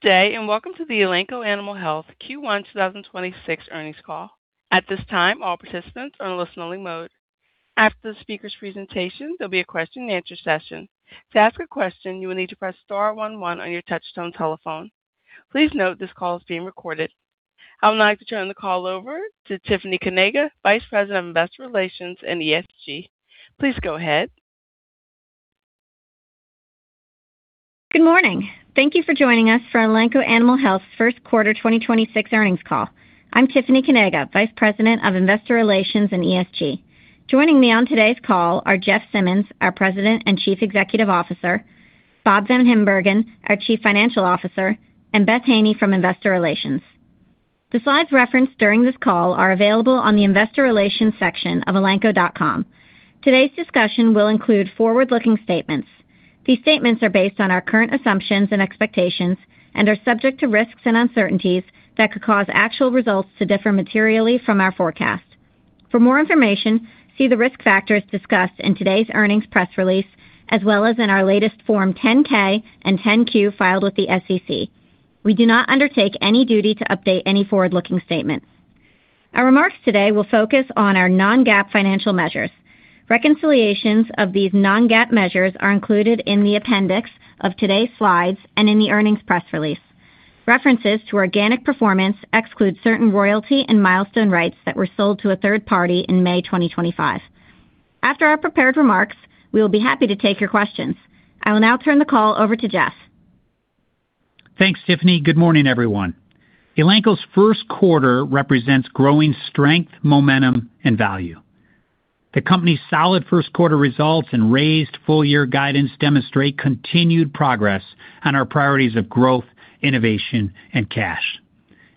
Day, and welcome to the Elanco Animal Health Q1 2026 Earnings Call. At this time, all participants are in listen-only mode. After the speaker's presentation, there will be a question-and-answer session. To ask a question, you will need to press star one one on your touchtone telephone. Please note this call is being recorded. I would now like to turn the call over to Tiffany Kanaga, Vice President of Investor Relations and ESG. Please go ahead. Good morning. Thank you for joining us for Elanco Animal Health's First Quarter 2026 Earnings Call. I'm Tiffany Kanaga, Vice President of Investor Relations and ESG. Joining me on today's call are Jeff Simmons, our President and Chief Executive Officer, Bob VanHimbergen, our Chief Financial Officer, and Beth Haney from Investor Relations. The slides referenced during this call are available on the investor relations section of elanco.com. Today's discussion will include forward-looking statements. These statements are based on our current assumptions and expectations and are subject to risks and uncertainties that could cause actual results to differ materially from our forecast. For more information, see the risk factors discussed in today's earnings press release, as well as in our latest form 10-K and 10-Q filed with the SEC. We do not undertake any duty to update any forward-looking statements. Our remarks today will focus on our non-GAAP financial measures. Reconciliations of these non-GAAP measures are included in the appendix of today's slides and in the earnings press release. References to organic performance exclude certain royalty and milestone rights that were sold to a third party in May 2025. After our prepared remarks, we will be happy to take your questions. I will now turn the call over to Jeff. Thanks, Tiffany. Good morning, everyone. Elanco's first quarter represents growing strength, momentum and value. The company's solid first quarter results and raised full year guidance demonstrate continued progress on our priorities of growth, innovation and cash.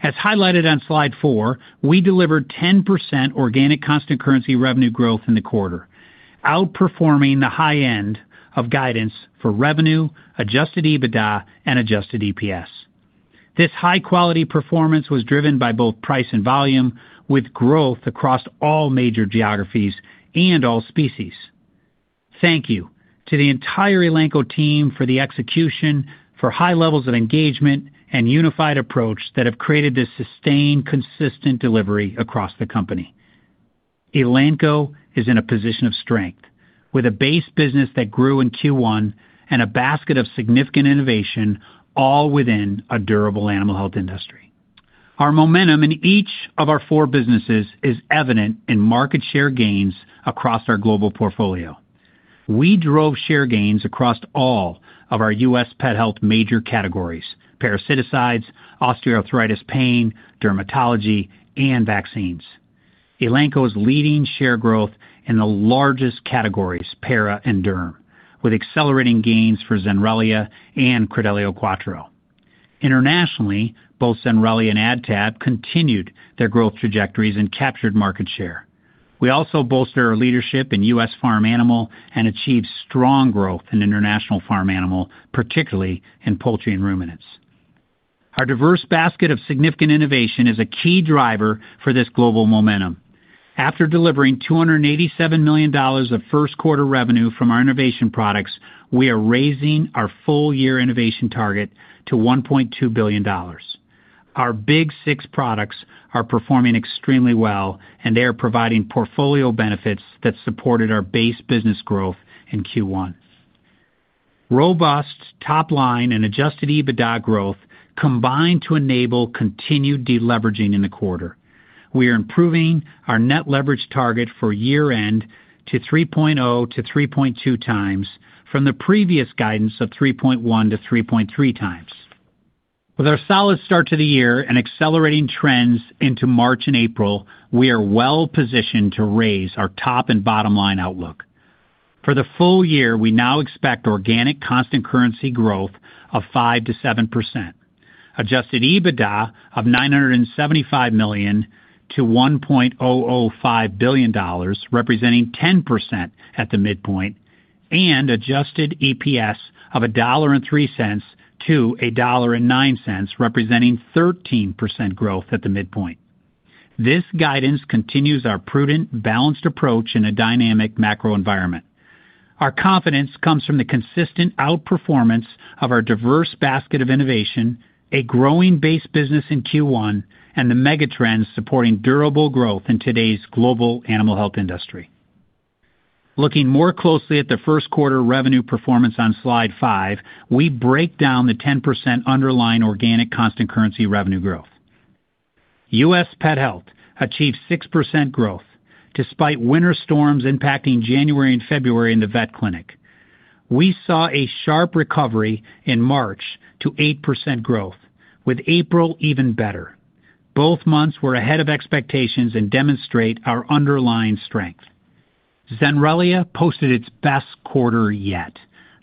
As highlighted on slide four, we delivered 10% organic constant currency revenue growth in the quarter, outperforming the high end of guidance for revenue, adjusted EBITDA and adjusted EPS. This high-quality performance was driven by both price and volume, with growth across all major geographies and all species. Thank you to the entire Elanco team for the execution for high levels of engagement and unified approach that have created this sustained, consistent delivery across the company. Elanco is in a position of strength with a base business that grew in Q1 and a basket of significant innovation all within a durable animal health industry. Our momentum in each of our four businesses is evident in market share gains across our global portfolio. We drove share gains across all of our U.S. pet health major categories, parasiticides, osteoarthritis pain, dermatology and vaccines. Elanco's leading share growth in the largest categories, para and derm, with accelerating gains for Zenrelia and Credelio Quattro. Internationally, both Zenrelia and AdTab continued their growth trajectories and captured market share. We also bolster our leadership in U.S. farm animal and achieved strong growth in international farm animal, particularly in poultry and ruminants. Our diverse basket of significant innovation is a key driver for this global momentum. After delivering $287 million of first quarter revenue from our innovation products, we are raising our full-year innovation target to $1.2 billion. Our Big 6 products are performing extremely well, and they are providing portfolio benefits that supported our base business growth in Q1. Robust top line and adjusted EBITDA growth combined to enable continued deleveraging in the quarter. We are improving our net leverage target for year-end to 3.0x-3.2x from the previous guidance of 3.1x-3.3x. With our solid start to the year and accelerating trends into March and April, we are well-positioned to raise our top and bottom line outlook. For the full year, we now expect organic constant currency growth of 5%-7%. Adjusted EBITDA of $975 million-$1.005 billion, representing 10% at the midpoint, and adjusted EPS of $1.03-$1.09, representing 13% growth at the midpoint. This guidance continues our prudent, balanced approach in a dynamic macro environment. Our confidence comes from the consistent outperformance of our diverse basket of innovation, a growing base business in Q1, and the mega trends supporting durable growth in today's global animal health industry. Looking more closely at the first quarter revenue performance on slide five, we break down the 10% underlying organic constant currency revenue growth. U.S. pet health achieved 6% growth despite winter storms impacting January and February in the vet clinic. We saw a sharp recovery in March to 8% growth, with April even better. Both months were ahead of expectations and demonstrate our underlying strength. Zenrelia posted its best quarter yet,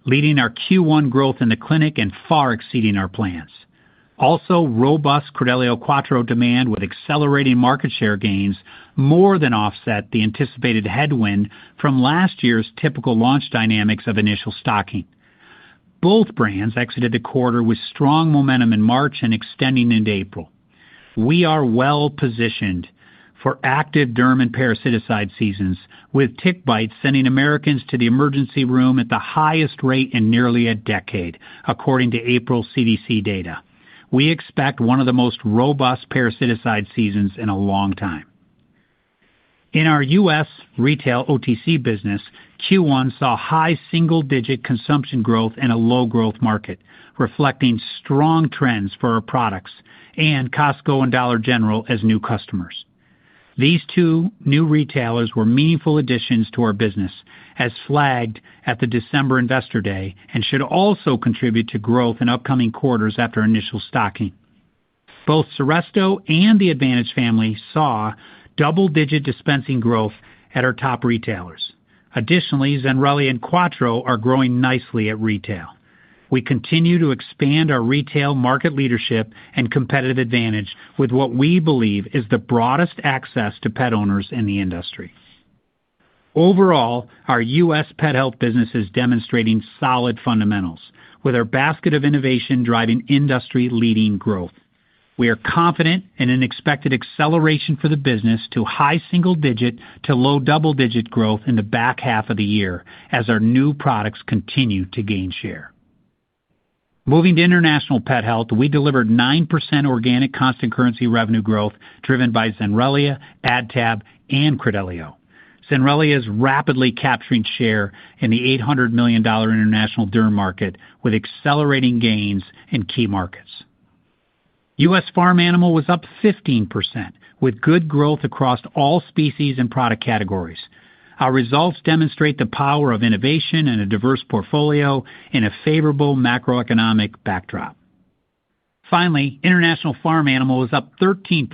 leading our Q1 growth in the clinic and far exceeding our plans. Also, robust Credelio Quattro demand with accelerating market share gains more than offset the anticipated headwind from last year's typical launch dynamics of initial stocking. Both brands exited the quarter with strong momentum in March and extending into April. We are well-positioned for active derm and parasiticide seasons, with tick bites sending Americans to the emergency room at the highest rate in nearly a decade, according to April CDC data. We expect one of the most robust parasiticide seasons in a long time. In our U.S. retail OTC business, Q1 saw high single-digit consumption growth in a low growth market, reflecting strong trends for our products and Costco and Dollar General as new customers. These two new retailers were meaningful additions to our business as flagged at the December Investor Day and should also contribute to growth in upcoming quarters after initial stocking. Both Seresto and the Advantage family saw double-digit dispensing growth at our top retailers. Additionally, Zenrelia and Quattro are growing nicely at retail. We continue to expand our retail market leadership and competitive advantage with what we believe is the broadest access to pet owners in the industry. Overall, our U.S. pet health business is demonstrating solid fundamentals with our basket of innovation driving industry-leading growth. We are confident in an expected acceleration for the business to high single-digit to low double-digit growth in the back half of the year as our new products continue to gain share. Moving to international pet health, we delivered 9% organic constant currency revenue growth driven by Zenrelia, AdTab, and Credelio. Zenrelia is rapidly capturing share in the $800 million international derm market with accelerating gains in key markets. U.S. farm animal was up 15%, with good growth across all species and product categories. Our results demonstrate the power of innovation in a diverse portfolio in a favorable macroeconomic backdrop. Finally, international farm animal was up 13%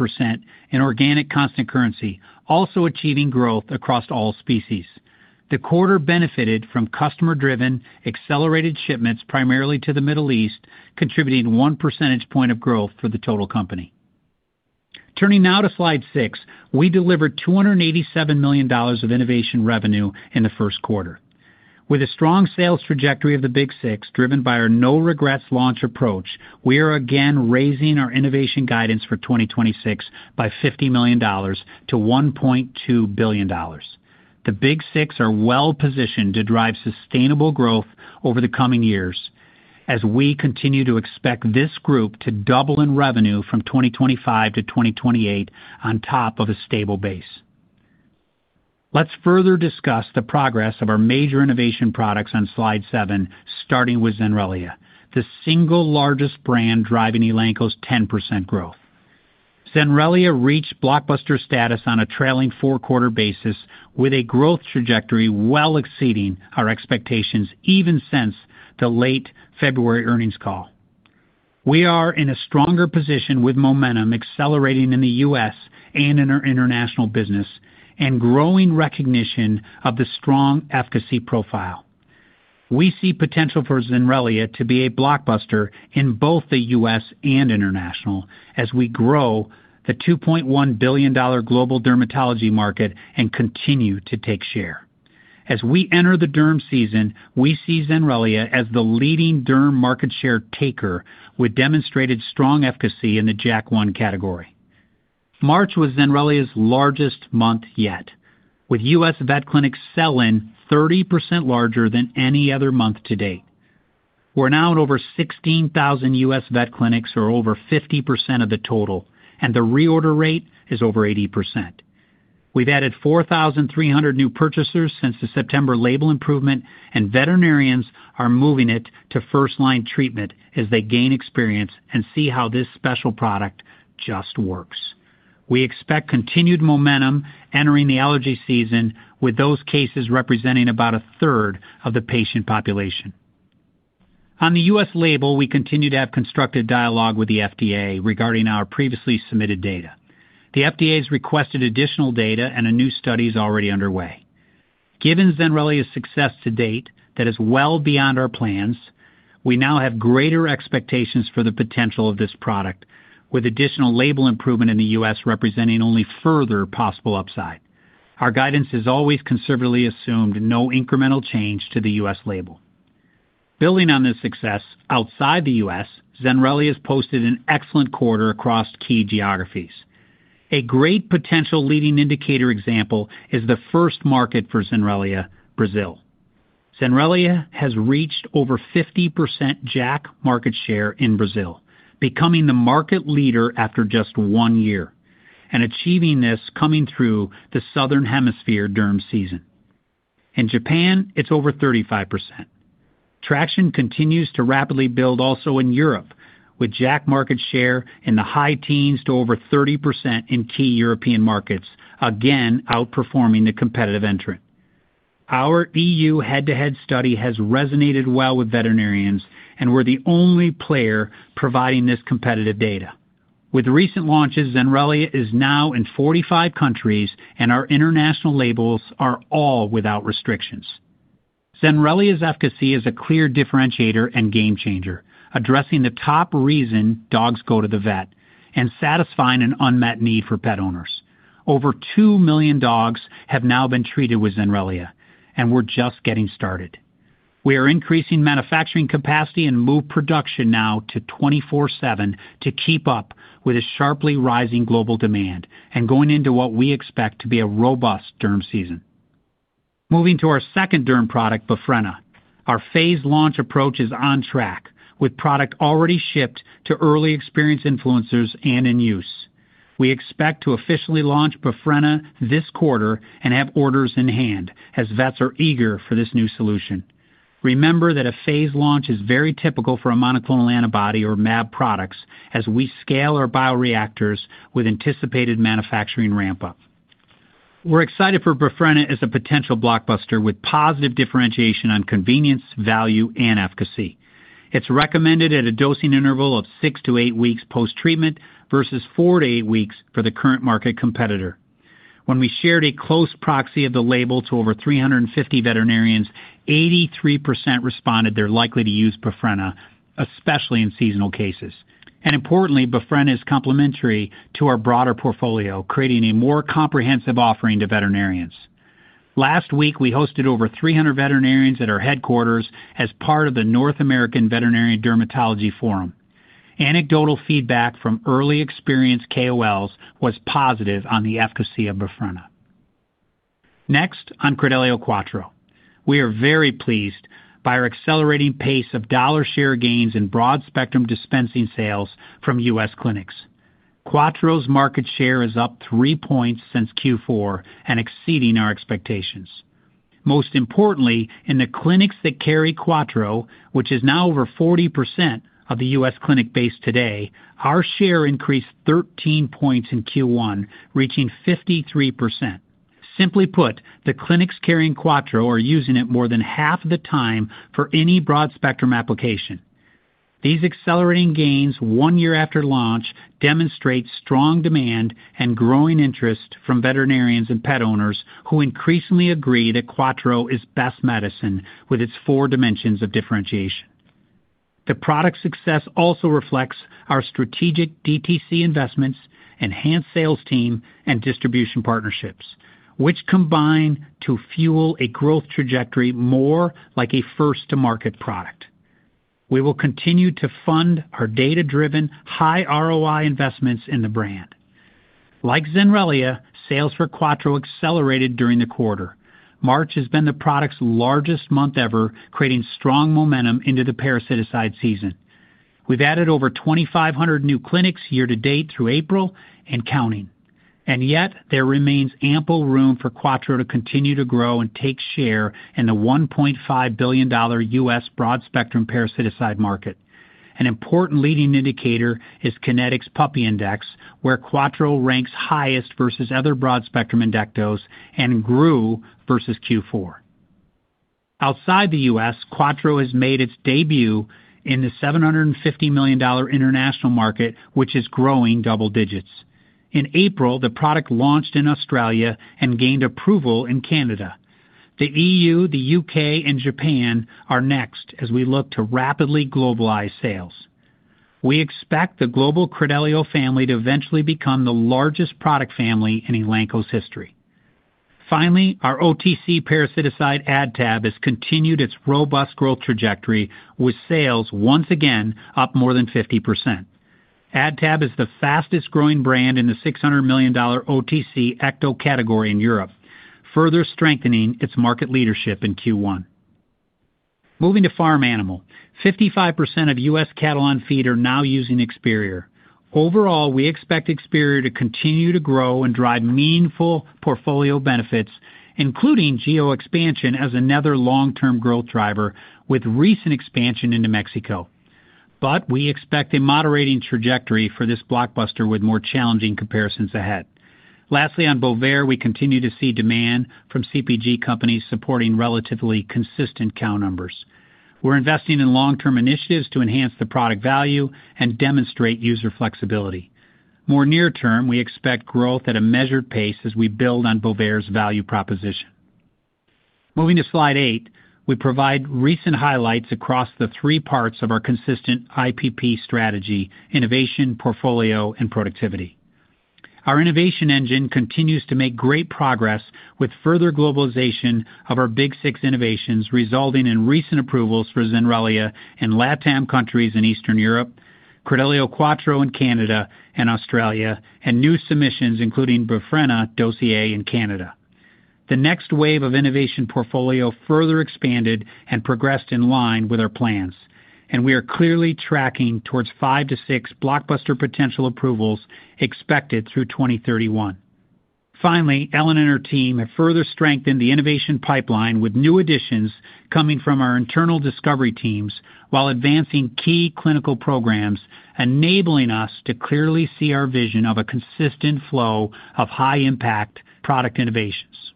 in organic constant currency, also achieving growth across all species. The quarter benefited from customer-driven accelerated shipments primarily to the Middle East, contributing 1 percentage point of growth for the total company. Turning now to slide six, we delivered $287 million of innovation revenue in the first quarter. With a strong sales trajectory of the Big 6, driven by our no regrets launch approach, we are again raising our innovation guidance for 2026 by $50 million to $1.2 billion. The Big 6 are well positioned to drive sustainable growth over the coming years as we continue to expect this group to double in revenue from 2025 to 2028 on top of a stable base. Let's further discuss the progress of our major innovation products on slide seven, starting with Zenrelia, the single largest brand driving Elanco's 10% growth. Zenrelia reached blockbuster status on a trailing four-quarter basis with a growth trajectory well exceeding our expectations even since the late February earnings call. We are in a stronger position with momentum accelerating in the U.S. and in our international business and growing recognition of the strong efficacy profile. We see potential for Zenrelia to be a blockbuster in both the U.S. and international as we grow the $2.1 billion global dermatology market and continue to take share. As we enter the derm season, we see Zenrelia as the leading derm market share taker with demonstrated strong efficacy in the JAK1 category. March was Zenrelia's largest month yet, with U.S. vet clinics sell-in 30% larger than any other month to date. We're now at over 16,000 U.S. vet clinics or over 50% of the total, and the reorder rate is over 80%. We've added 4,300 new purchasers since the September label improvement, and veterinarians are moving it to first-line treatment as they gain experience and see how this special product just works. We expect continued momentum entering the allergy season, with those cases representing about 1/3 of the patient population. On the U.S. label, we continue to have constructive dialogue with the FDA regarding our previously submitted data. The FDA has requested additional data and a new study is already underway. Given Zenrelia's success to date, that is well beyond our plans, we now have greater expectations for the potential of this product, with additional label improvement in the U.S. representing only further possible upside. Our guidance has always conservatively assumed no incremental change to the U.S. label. Building on this success, outside the U.S., Zenrelia has posted an excellent quarter across key geographies. A great potential leading indicator example is the first market for Zenrelia, Brazil. Zenrelia has reached over 50% JAK market share in Brazil, becoming the market leader after just one year and achieving this coming through the Southern Hemisphere derm season. In Japan, it's over 35%. Traction continues to rapidly build also in Europe, with JAK market share in the high teens to over 30% in key European markets, again outperforming the competitive entrant. Our EU head-to-head study has resonated well with veterinarians, and we're the only player providing this competitive data. With recent launches, Zenrelia is now in 45 countries and our international labels are all without restrictions. Zenrelia's efficacy is a clear differentiator and game changer, addressing the top reason dogs go to the vet and satisfying an unmet need for pet owners. Over 2 million dogs have now been treated with Zenrelia, and we're just getting started. We are increasing manufacturing capacity and move production now to 24/7 to keep up with the sharply rising global demand and going into what we expect to be a robust derm season. Moving to our second derm product, Befrena. Our phased launch approach is on track, with product already shipped to early experience influencers and in use. We expect to officially launch Befrena this quarter and have orders in hand, as vets are eager for this new solution. Remember that a phased launch is very typical for a monoclonal antibody or mAb products as we scale our bioreactors with anticipated manufacturing ramp-up. We're excited for Befrena as a potential blockbuster with positive differentiation on convenience, value, and efficacy. It's recommended at a dosing interval of six to eight weeks post-treatment versus four to eight weeks for the current market competitor. When we shared a close proxy of the label to over 350 veterinarians, 83% responded they're likely to use Befrena, especially in seasonal cases. Importantly, Befrena is complementary to our broader portfolio, creating a more comprehensive offering to veterinarians. Last week, we hosted over 300 veterinarians at our headquarters as part of the North American Veterinary Dermatology Forum. Anecdotal feedback from early experience KOLs was positive on the efficacy of Befrena. Next, on Credelio Quattro. We are very pleased by our accelerating pace of dollar share gains in broad spectrum dispensing sales from U.S. clinics. Quattro's market share is up 3 points since Q4 and exceeding our expectations. Most importantly, in the clinics that carry Quattro, which is now over 40% of the U.S. clinic base today, our share increased 13 points in Q1, reaching 53%. Simply put, the clinics carrying Quattro are using it more than half the time for any broad spectrum application. These accelerating gains one year after launch demonstrate strong demand and growing interest from veterinarians and pet owners who increasingly agree that Quattro is best medicine with its four dimensions of differentiation. The product success also reflects our strategic DTC investments, enhanced sales team, and distribution partnerships, which combine to fuel a growth trajectory more like a first-to-market product. We will continue to fund our data-driven high ROI investments in the brand. Like Zenrelia, sales for Quattro accelerated during the quarter. March has been the product's largest month ever, creating strong momentum into the parasiticide season. We've added over 2,500 new clinics year to date through April and counting. Yet, there remains ample room for Quattro to continue to grow and take share in the $1.5 billion U.S. broad-spectrum parasiticide market. An important leading indicator is Kynetec's puppy index, where Quattro ranks highest versus other broad-spectrum injectos and grew versus Q4. Outside the U.S., Quattro has made its debut in the $750 million international market, which is growing double digits. In April, the product launched in Australia and gained approval in Canada. The EU, the U.K., and Japan are next as we look to rapidly globalize sales. We expect the global Credelio family to eventually become the largest product family in Elanco's history. Finally, our OTC parasiticide AdTab has continued its robust growth trajectory with sales once again up more than 50%. AdTab is the fastest-growing brand in the $600 million OTC ecto category in Europe, further strengthening its market leadership in Q1. Moving to farm animal. 55% of U.S. cattle on feed are now using Experior. Overall, we expect Experior to continue to grow and drive meaningful portfolio benefits, including geo expansion as another long-term growth driver with recent expansion into Mexico. We expect a moderating trajectory for this blockbuster with more challenging comparisons ahead. Lastly, on Bovaer, we continue to see demand from CPG companies supporting relatively consistent cow numbers. We're investing in long-term initiatives to enhance the product value and demonstrate user flexibility. More near term, we expect growth at a measured pace as we build on Bovaer's value proposition. Moving to slide eight, we provide recent highlights across the three parts of our consistent IPP strategy, innovation, portfolio, and productivity. Our innovation engine continues to make great progress with further globalization of our Big 6 innovations, resulting in recent approvals for Zenrelia in LatAm countries in Eastern Europe, Credelio Quattro in Canada and Australia, and new submissions, including Befrena dossier in Canada. The next wave of innovation portfolio further expanded and progressed in line with our plans, we are clearly tracking towards five to six blockbuster potential approvals expected through 2031. Finally, Ellen and her team have further strengthened the innovation pipeline with new additions coming from our internal discovery teams while advancing key clinical programs, enabling us to clearly see our vision of a consistent flow of high-impact product innovations.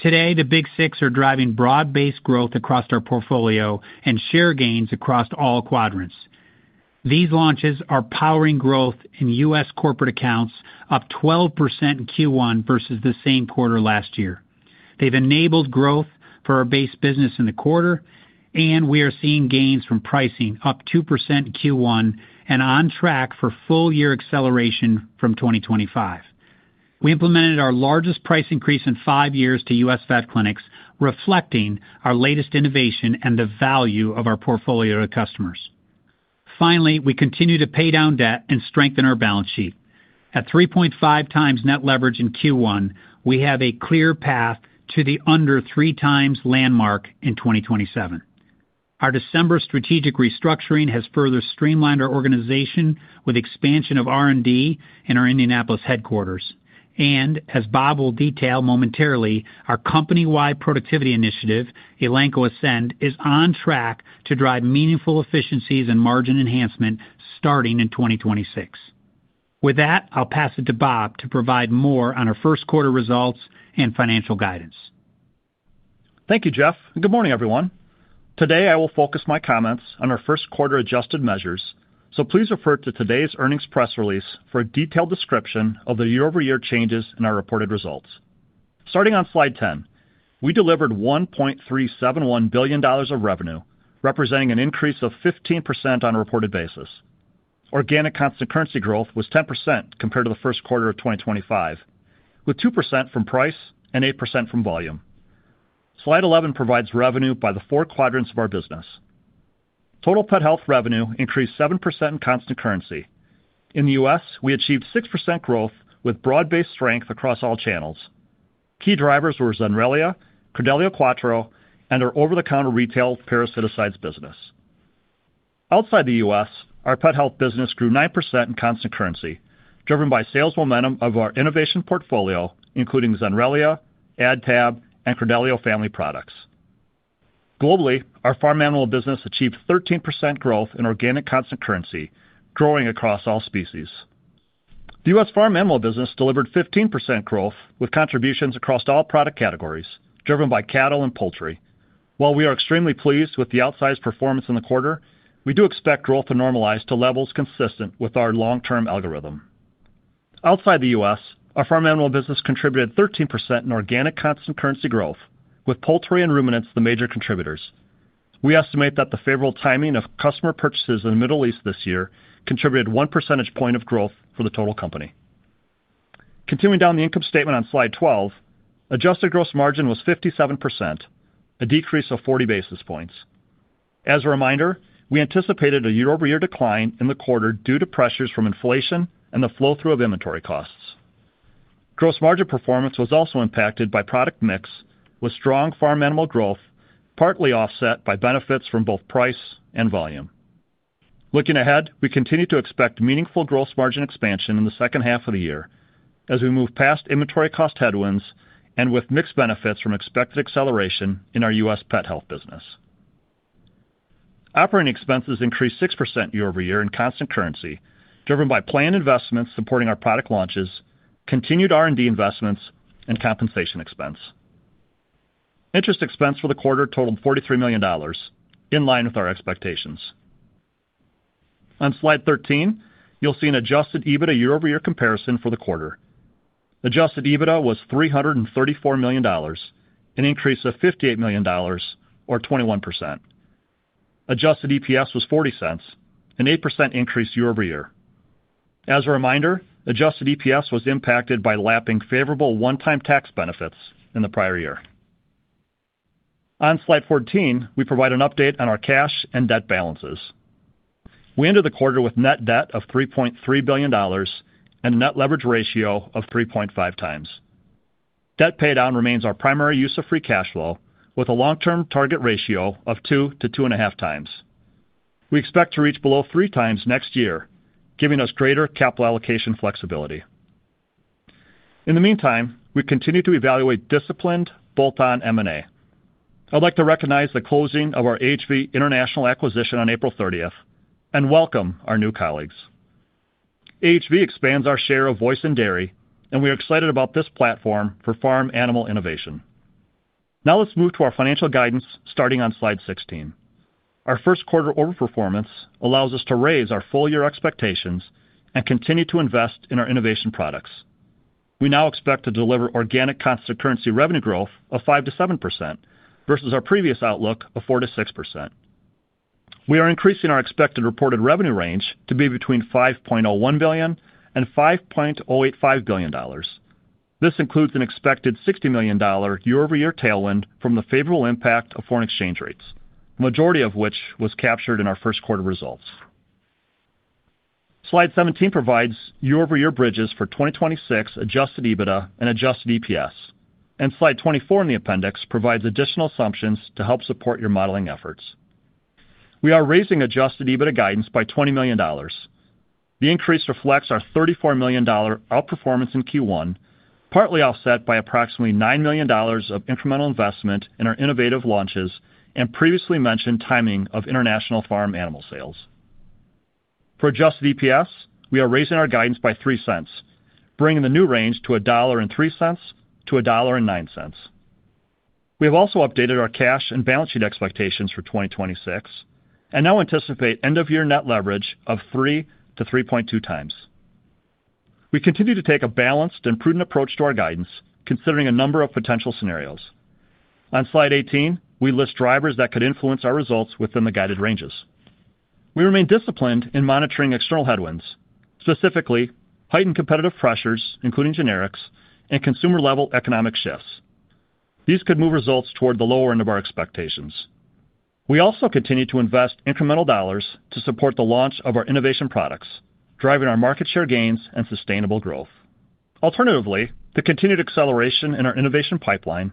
Today, the Big 6 are driving broad-based growth across our portfolio and share gains across all quadrants. These launches are powering growth in U.S. corporate accounts, up 12% in Q1 versus the same quarter last year. They've enabled growth for our base business in the quarter, we are seeing gains from pricing, up 2% in Q1 and on track for full-year acceleration from 2025. We implemented our largest price increase in five years to U.S. vet clinics, reflecting our latest innovation and the value of our portfolio to customers. Finally, we continue to pay down debt and strengthen our balance sheet. At 3.5x net leverage in Q1, we have a clear path to the under 3x landmark in 2027. Our December strategic restructuring has further streamlined our organization with expansion of R&D in our Indianapolis headquarters. As Bob will detail momentarily, our company-wide productivity initiative, Elanco Ascend, is on track to drive meaningful efficiencies and margin enhancement starting in 2026. With that, I'll pass it to Bob to provide more on our first quarter results and financial guidance. Thank you, Jeff, and good morning, everyone. Today, I will focus my comments on our first quarter adjusted measures. Please refer to today's earnings press release for a detailed description of the year-over-year changes in our reported results. Starting on slide 10, we delivered $1.371 billion of revenue, representing an increase of 15% on a reported basis. Organic constant currency growth was 10% compared to the first quarter of 2025, with 2% from price and 8% from volume. Slide 11 provides revenue by the four quadrants of our business. Total pet health revenue increased 7% in constant currency. In the U.S., we achieved 6% growth with broad-based strength across all channels. Key drivers were Zenrelia, Credelio Quattro, and our over-the-counter retail parasiticides business. Outside the U.S., our pet health business grew 9% in constant currency, driven by sales momentum of our innovation portfolio, including Zenrelia, AdTab, and Credelio family products. Globally, our farm animal business achieved 13% growth in organic constant currency, growing across all species. The U.S. farm animal business delivered 15% growth with contributions across all product categories, driven by cattle and poultry. While we are extremely pleased with the outsized performance in the quarter, we do expect growth to normalize to levels consistent with our long-term algorithm. Outside the U.S., our farm animal business contributed 13% in organic constant currency growth, with poultry and ruminants the major contributors. We estimate that the favorable timing of customer purchases in the Middle East this year contributed 1 percentage point of growth for the total company. Continuing down the income statement on slide 12, adjusted gross margin was 57%, a decrease of 40 basis points. As a reminder, we anticipated a year-over-year decline in the quarter due to pressures from inflation and the flow-through of inventory costs. Gross margin performance was also impacted by product mix with strong farm animal growth, partly offset by benefits from both price and volume. Looking ahead, we continue to expect meaningful gross margin expansion in the second half of the year as we move past inventory cost headwinds and with mixed benefits from expected acceleration in our U.S. pet health business. Operating expenses increased 6% year-over-year in constant currency, driven by planned investments supporting our product launches, continued R&D investments, and compensation expense. Interest expense for the quarter totaled $43 million, in line with our expectations. On slide 13, you'll see an adjusted EBITDA year-over-year comparison for the quarter. Adjusted EBITDA was $334 million, an increase of $58 million or 21%. Adjusted EPS was $0.40, an 8% increase year-over-year. As a reminder, adjusted EPS was impacted by lapping favorable one-time tax benefits in the prior year. On slide 14, we provide an update on our cash and debt balances. We ended the quarter with net debt of $3.3 billion and a net leverage ratio of 3.5x. Debt paydown remains our primary use of free cash flow with a long-term target ratio of 2x-2.5x. We expect to reach below 3x next year, giving us greater capital allocation flexibility. In the meantime, we continue to evaluate disciplined bolt-on M&A. I'd like to recognize the closing of our AHV International acquisition on April 30th and welcome our new colleagues. AHV expands our share of voice in dairy, and we are excited about this platform for farm animal innovation. Now let's move to our financial guidance starting on slide 16. Our first quarter overperformance allows us to raise our full year expectations and continue to invest in our innovation products. We now expect to deliver organic constant currency revenue growth of 5%-7% versus our previous outlook of 4%-6%. We are increasing our expected reported revenue range to be between $5.01 billion and $5.085 billion. This includes an expected $60 million year-over-year tailwind from the favorable impact of foreign exchange rates, the majority of which was captured in our first quarter results. Slide 17 provides year-over-year bridges for 2026 adjusted EBITDA and adjusted EPS, and slide 24 in the appendix provides additional assumptions to help support your modeling efforts. We are raising adjusted EBITDA guidance by $20 million. The increase reflects our $34 million outperformance in Q1, partly offset by approximately $9 million of incremental investment in our innovative launches and previously mentioned timing of international farm animal sales. For adjusted EPS, we are raising our guidance by $0.03, bringing the new range to $1.03-$1.09. We have also updated our cash and balance sheet expectations for 2026 and now anticipate end-of-year net leverage of 3x-3.2x. We continue to take a balanced and prudent approach to our guidance, considering a number of potential scenarios. On slide 18, we list drivers that could influence our results within the guided ranges. We remain disciplined in monitoring external headwinds, specifically heightened competitive pressures, including generics, and consumer-level economic shifts. These could move results toward the lower end of our expectations. We also continue to invest incremental dollars to support the launch of our innovation products, driving our market share gains and sustainable growth. Alternatively, the continued acceleration in our innovation pipeline,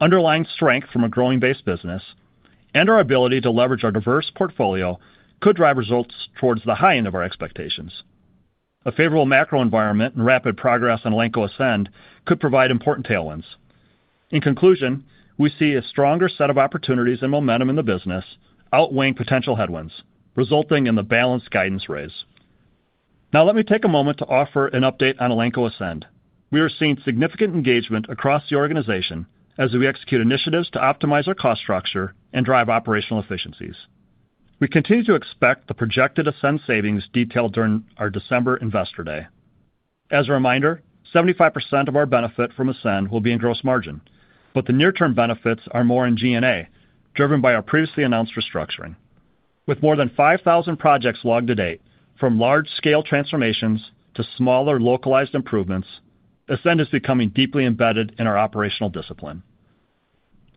underlying strength from a growing base business, and our ability to leverage our diverse portfolio could drive results towards the high end of our expectations. A favorable macro environment and rapid progress on Elanco Ascend could provide important tailwinds. In conclusion, we see a stronger set of opportunities and momentum in the business outweighing potential headwinds, resulting in the balanced guidance raise. Let me take a moment to offer an update on Elanco Ascend. We are seeing significant engagement across the organization as we execute initiatives to optimize our cost structure and drive operational efficiencies. We continue to expect the projected Ascend savings detailed during our December Investor Day. As a reminder, 75% of our benefit from Ascend will be in gross margin, but the near-term benefits are more in G&A, driven by our previously announced restructuring. With more than 5,000 projects logged to date, from large-scale transformations to smaller localized improvements, Ascend is becoming deeply embedded in our operational discipline.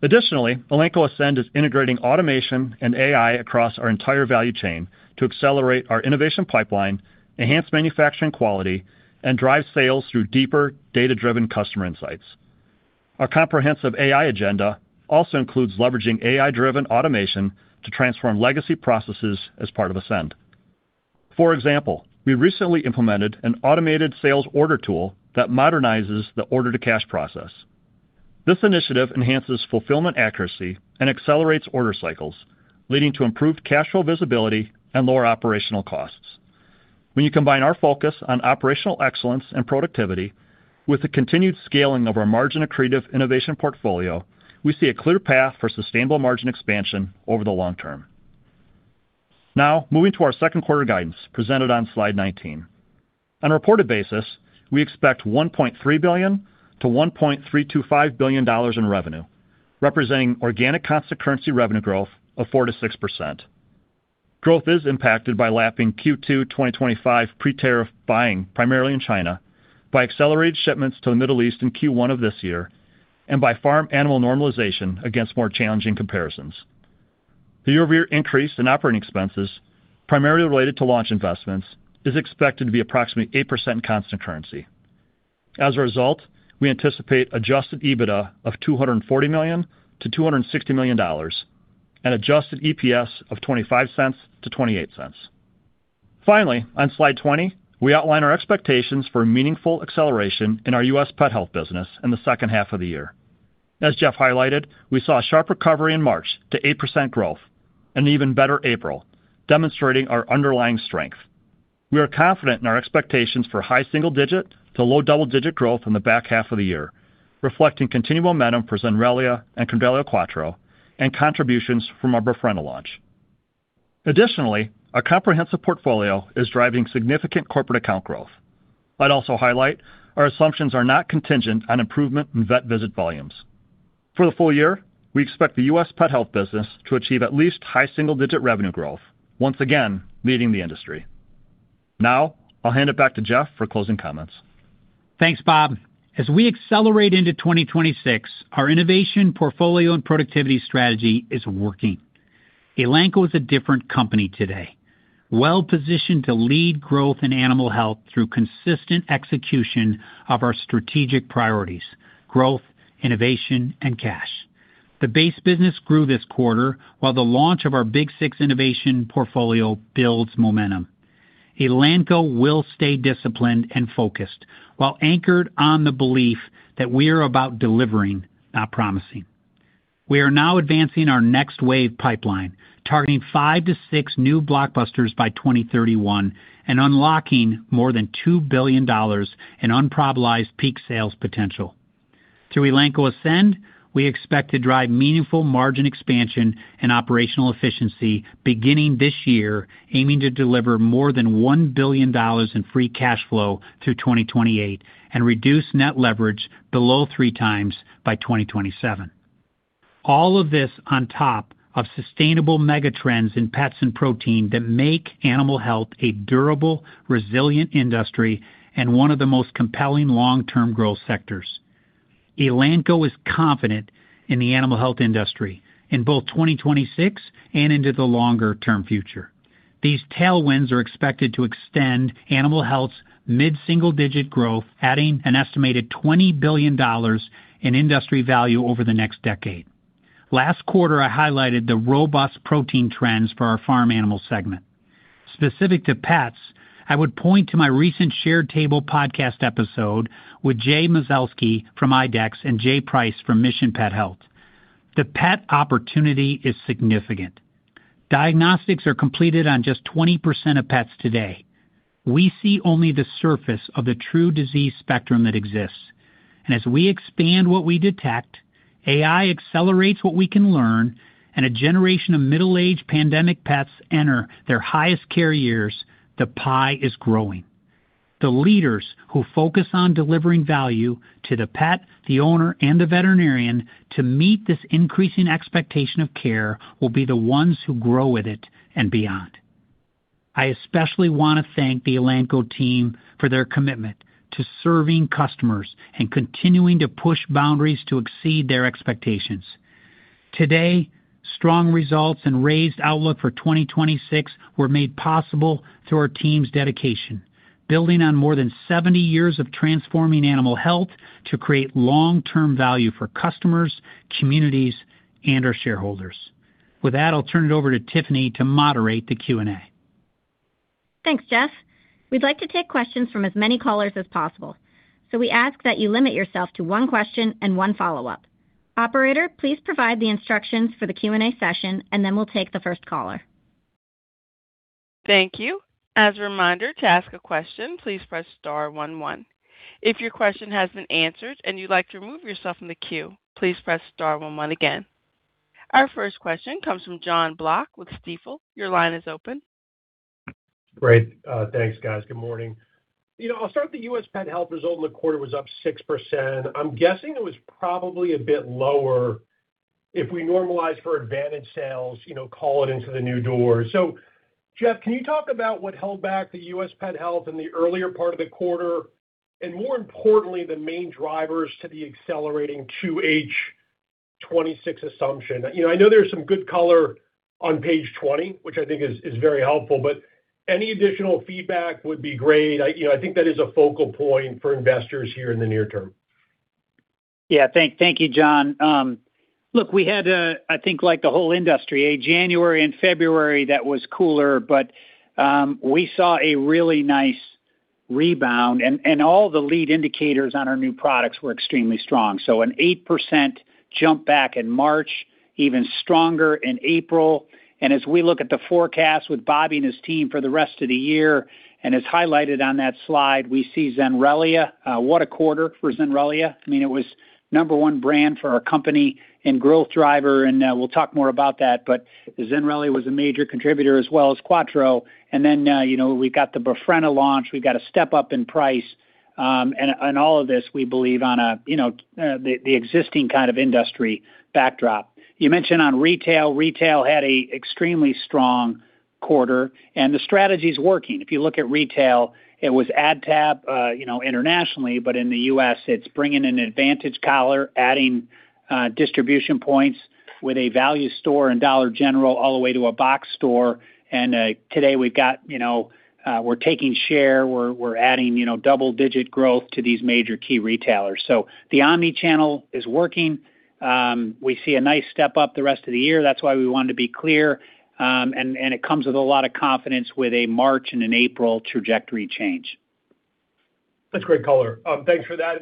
Additionally, Elanco Ascend is integrating automation and AI across our entire value chain to accelerate our innovation pipeline, enhance manufacturing quality, and drive sales through deeper data-driven customer insights. Our comprehensive AI agenda also includes leveraging AI-driven automation to transform legacy processes as part of Ascend. For example, we recently implemented an automated sales order tool that modernizes the order-to-cash process. This initiative enhances fulfillment accuracy and accelerates order cycles, leading to improved cash flow visibility and lower operational costs. When you combine our focus on operational excellence and productivity with the continued scaling of our margin-accretive innovation portfolio, we see a clear path for sustainable margin expansion over the long term. Now, moving to our second quarter guidance presented on slide 19. On a reported basis, we expect $1.3 billion-$1.325 billion in revenue, representing organic constant currency revenue growth of 4%-6%. Growth is impacted by lapping Q2 2025 pre-tariff buying primarily in China, by accelerated shipments to the Middle East in Q1 of this year, and by farm animal normalization against more challenging comparisons. The year-over-year increase in operating expenses, primarily related to launch investments, is expected to be approximately 8% constant currency. We anticipate adjusted EBITDA of $240 million-$260 million and adjusted EPS of $0.25-$0.28. On slide 20, we outline our expectations for meaningful acceleration in our U.S. Pet Health business in the second half of the year. Jeff highlighted, we saw a sharp recovery in March to 8% growth and even better April, demonstrating our underlying strength. We are confident in our expectations for high single digit to low double-digit growth in the back half of the year, reflecting continued momentum for Zenrelia and Credelio Quattro and contributions from our Befrena launch. Our comprehensive portfolio is driving significant corporate account growth. I'd also highlight our assumptions are not contingent on improvement in vet visit volumes. For the full year, we expect the U.S. Pet Health business to achieve at least high single-digit revenue growth, once again, leading the industry. Now, I'll hand it back to Jeff for closing comments. Thanks, Bob. As we accelerate into 2026, our innovation portfolio and productivity strategy is working. Elanco is a different company today, well-positioned to lead growth in animal health through consistent execution of our strategic priorities, growth, innovation, and cash. The base business grew this quarter while the launch of our Big 6 innovation portfolio builds momentum. Elanco will stay disciplined and focused while anchored on the belief that we are about delivering, not promising. We are now advancing our next wave pipeline, targeting five to six new blockbusters by 2031 and unlocking more than $2 billion in unproblematic peak sales potential. Through Elanco Ascend, we expect to drive meaningful margin expansion and operational efficiency beginning this year, aiming to deliver more than $1 billion in free cash flow through 2028 and reduce net leverage below 3x by 2027. All of this on top of sustainable mega trends in pets and protein that make animal health a durable, resilient industry and one of the most compelling long-term growth sectors. Elanco is confident in the animal health industry in both 2026 and into the longer-term future. These tailwinds are expected to extend animal health's mid-single-digit growth, adding an estimated $20 billion in industry value over the next decade. Last quarter, I highlighted the robust protein trends for our farm animal segment. Specific to pets, I would point to my recent Shared Table podcast episode with Jay Mazelsky from IDEXX and Jay Price from Mission Pet Health. The pet opportunity is significant. Diagnostics are completed on just 20% of pets today. We see only the surface of the true disease spectrum that exists. As we expand what we detect, AI accelerates what we can learn, and a generation of middle-aged pandemic pets enter their highest care years, the pie is growing. The leaders who focus on delivering value to the pet, the owner, and the veterinarian to meet this increasing expectation of care will be the ones who grow with it and beyond. I especially wanna thank the Elanco team for their commitment to serving customers and continuing to push boundaries to exceed their expectations. Today, strong results and raised outlook for 2026 were made possible through our team's dedication, building on more than 70 years of transforming animal health to create long-term value for customers, communities, and our shareholders. With that, I'll turn it over to Tiffany to moderate the Q&A. Thanks, Jeff. We'd like to take questions from as many callers as possible. We ask that you limit yourself to one question and one follow-up. Operator, please provide the instructions for the Q&A session, and then we'll take the first caller. Thank you. As a reminder, to ask a question, please press star one one. If your question has been answered and you'd like to remove yourself from the queue, please press star one one again. Our first question comes from Jon Block with Stifel. Your line is open. Great. Thanks, guys. Good morning. You know, I'll start with the U.S. Pet Health result in the quarter was up 6%. I'm guessing it was probably a bit lower if we normalize for Advantage sales, you know, call it into the new door. Jeff, can you talk about what held back the U.S. Pet Health in the earlier part of the quarter, and more importantly, the main drivers to the accelerating 2H 2026 assumption? You know, I know there's some good color on page 20, which I think is very helpful, any additional feedback would be great. You know, I think that is a focal point for investors here in the near term. Yeah. Thank you, Jon. Look, we had a, I think like the whole industry, a January and February that was cooler, but we saw a really nice rebound and all the lead indicators on our new products were extremely strong. An 8% jump back in March, even stronger in April. As we look at the forecast with Bobby and his team for the rest of the year, and as highlighted on that slide, we see Zenrelia. What a quarter for Zenrelia. I mean, it was number one brand for our company and growth driver, and we'll talk more about that. Zenrelia was a major contributor as well as Quattro. You know, we've got the Befrena launch. We've got a step-up in price, and all of this, we believe on a, you know, the existing kind of industry backdrop. You mentioned on retail. Retail had a extremely strong quarter. The strategy's working. If you look at retail, it was AdTab, you know, internationally, but in the U.S., it's bringing in an Advantage collar, adding distribution points with a value store and Dollar General all the way to a box store. Today we've got, you know, we're taking share, we're adding, you know, double-digit growth to these major key retailers. The omnichannel is working. We see a nice step up the rest of the year. That's why we wanted to be clear. It comes with a lot of confidence with a March and an April trajectory change. That's great color. Thanks for that.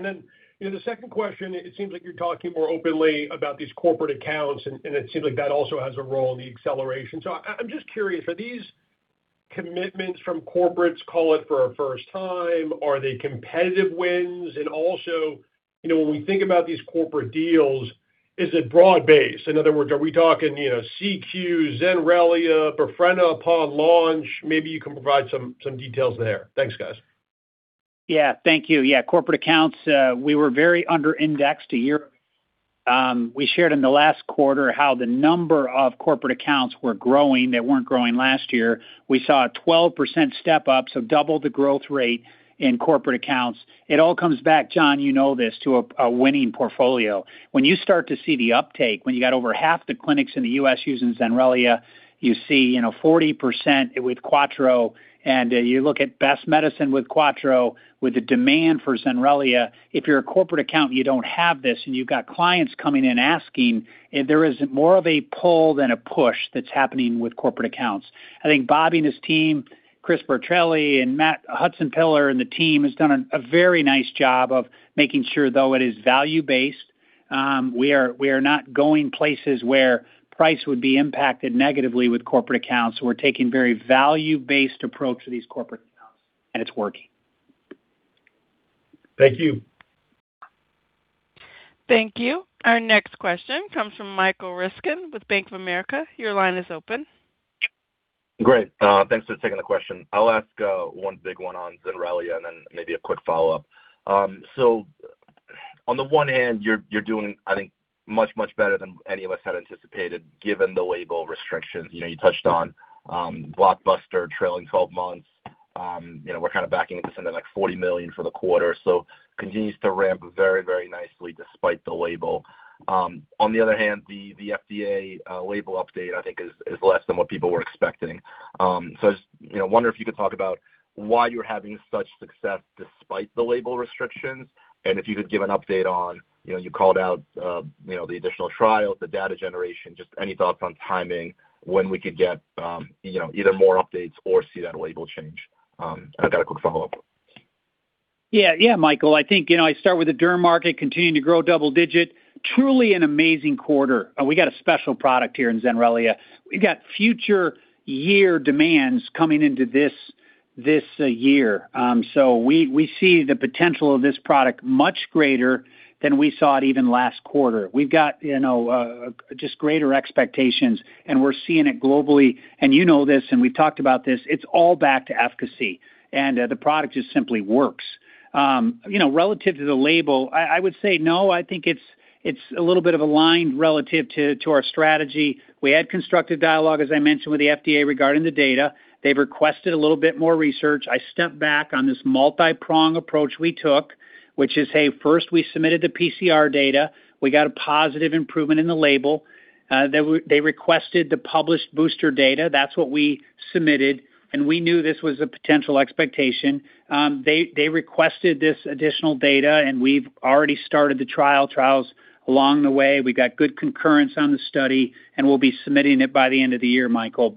You know, the second question, it seems like you're talking more openly about these corporate accounts, and it seems like that also has a role in the acceleration. I'm just curious, are these commitments from corporates, call it, for a first time? Are they competitive wins? Also, you know, when we think about these corporate deals, is it broad-based? In other words, are we talking, you know, CQ, Zenrelia, Befrena upon launch? Maybe you can provide some details there. Thanks, guys. Yeah. Thank you. Yeah, corporate accounts, we were very under-indexed a year. We shared in the last quarter how the number of corporate accounts were growing. They weren't growing last year. We saw a 12% step-up, so double the growth rate in corporate accounts. It all comes back, Jon, you know this, to a winning portfolio. When you start to see the uptake, when you got over half the clinics in the U.S. using Zenrelia, you see, you know, 40% with Credelio Quattro, and you look at best medicine with Credelio Quattro, with the demand for Zenrelia. If you're a corporate account, you don't have this, and you've got clients coming in asking, and there is more of a pull than a push that's happening with corporate accounts. I think Bobby and his team, Chris Bertarelli and Matt Hudson-Pillar and the team, has done a very nice job of making sure though it is value-based, we are not going places where price would be impacted negatively with corporate accounts. We're taking very value-based approach to these corporate accounts, and it's working. Thank you. Thank you. Our next question comes from Michael Ryskin with Bank of America. Your line is open. Great. Thanks for taking the question. I'll ask one big one on Zenrelia and then maybe a quick follow-up. On the one hand, you're doing, I think, much, much better than any of us had anticipated given the label restrictions. You know, you touched on blockbuster trailing 12 months. You know, we're kind of backing into something like $40 million for the quarter. Continues to ramp very, very nicely despite the label. On the other hand, the FDA label update, I think is less than what people were expecting. Just, you know, wonder if you could talk about why you're having such success despite the label restrictions, and if you could give an update on, you know, you called out, you know, the additional trials, the data generation, just any thoughts on timing when we could get, you know, either more updates or see that label change? I've got a quick follow-up. Yeah, Michael. I think, you know, I start with the derm market continuing to grow double-digit. Truly an amazing quarter. We got a special product here in Zenrelia. We've got future year demands coming into this year. We see the potential of this product much greater than we saw it even last quarter. We've got, you know, just greater expectations, we're seeing it globally. You know this, we've talked about this. It's all back to efficacy, the product just simply works. You know, relative to the label, I would say no, I think it's a little bit of aligned relative to our strategy. We had constructive dialogue, as I mentioned, with the FDA regarding the data. They've requested a little bit more research. I stepped back on this multi-prong approach we took, which is, A, first we submitted the PCR data. We got a positive improvement in the label. They requested the published booster data. That's what we submitted, and we knew this was a potential expectation. They requested this additional data, and we've already started the trials along the way. We got good concurrence on the study, and we'll be submitting it by the end of the year, Michael.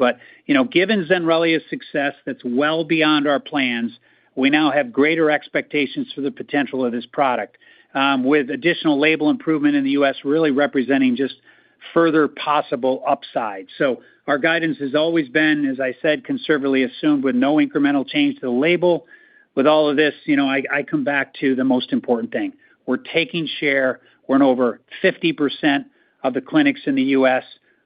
You know, given Zenrelia's success that's well beyond our plans, we now have greater expectations for the potential of this product with additional label improvement in the U.S. really representing just further possible upside. Our guidance has always been, as I said, conservatively assumed with no incremental change to the label. With all of this, you know, I come back to the most important thing. We're taking share. We're in over 50% of the clinics in the U.S.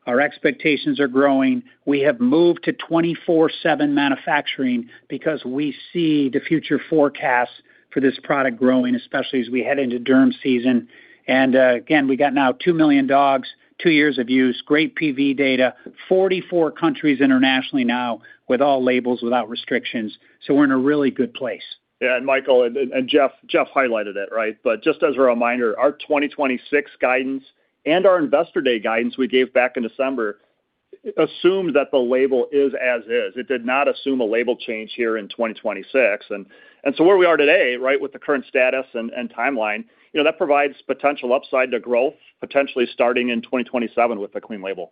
Our expectations are growing. We have moved to 24/7 manufacturing because we see the future forecast for this product growing, especially as we head into derm season. Again, we got now 2 million dogs, two years of use, great PV data, 44 countries internationally now with all labels without restrictions. We're in a really good place. Yeah, Michael and Jeff highlighted it, right. Just as a reminder, our 2026 guidance and our Investor Day guidance we gave back in December assumed that the label is as is. It did not assume a label change here in 2026. So where we are today, right, with the current status and timeline, you know, that provides potential upside to growth, potentially starting in 2027 with a clean label.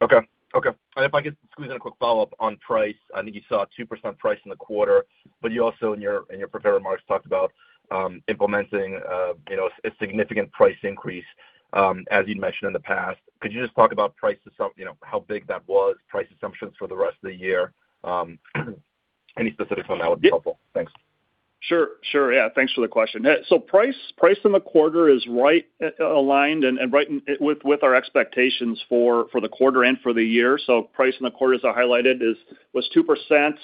Okay. If I could squeeze in a quick follow-up on price. I think you saw a 2% price in the quarter. You also in your prepared remarks talked about, you know, implementing a significant price increase as you'd mentioned in the past. Could you just talk about, you know, how big that was, price assumptions for the rest of the year? Any specifics on that would be helpful. Yeah. Thanks. Sure. Sure. Thanks for the question. Price in the quarter is right aligned and right with our expectations for the quarter and for the year. Price in the quarter, as I highlighted, was 2%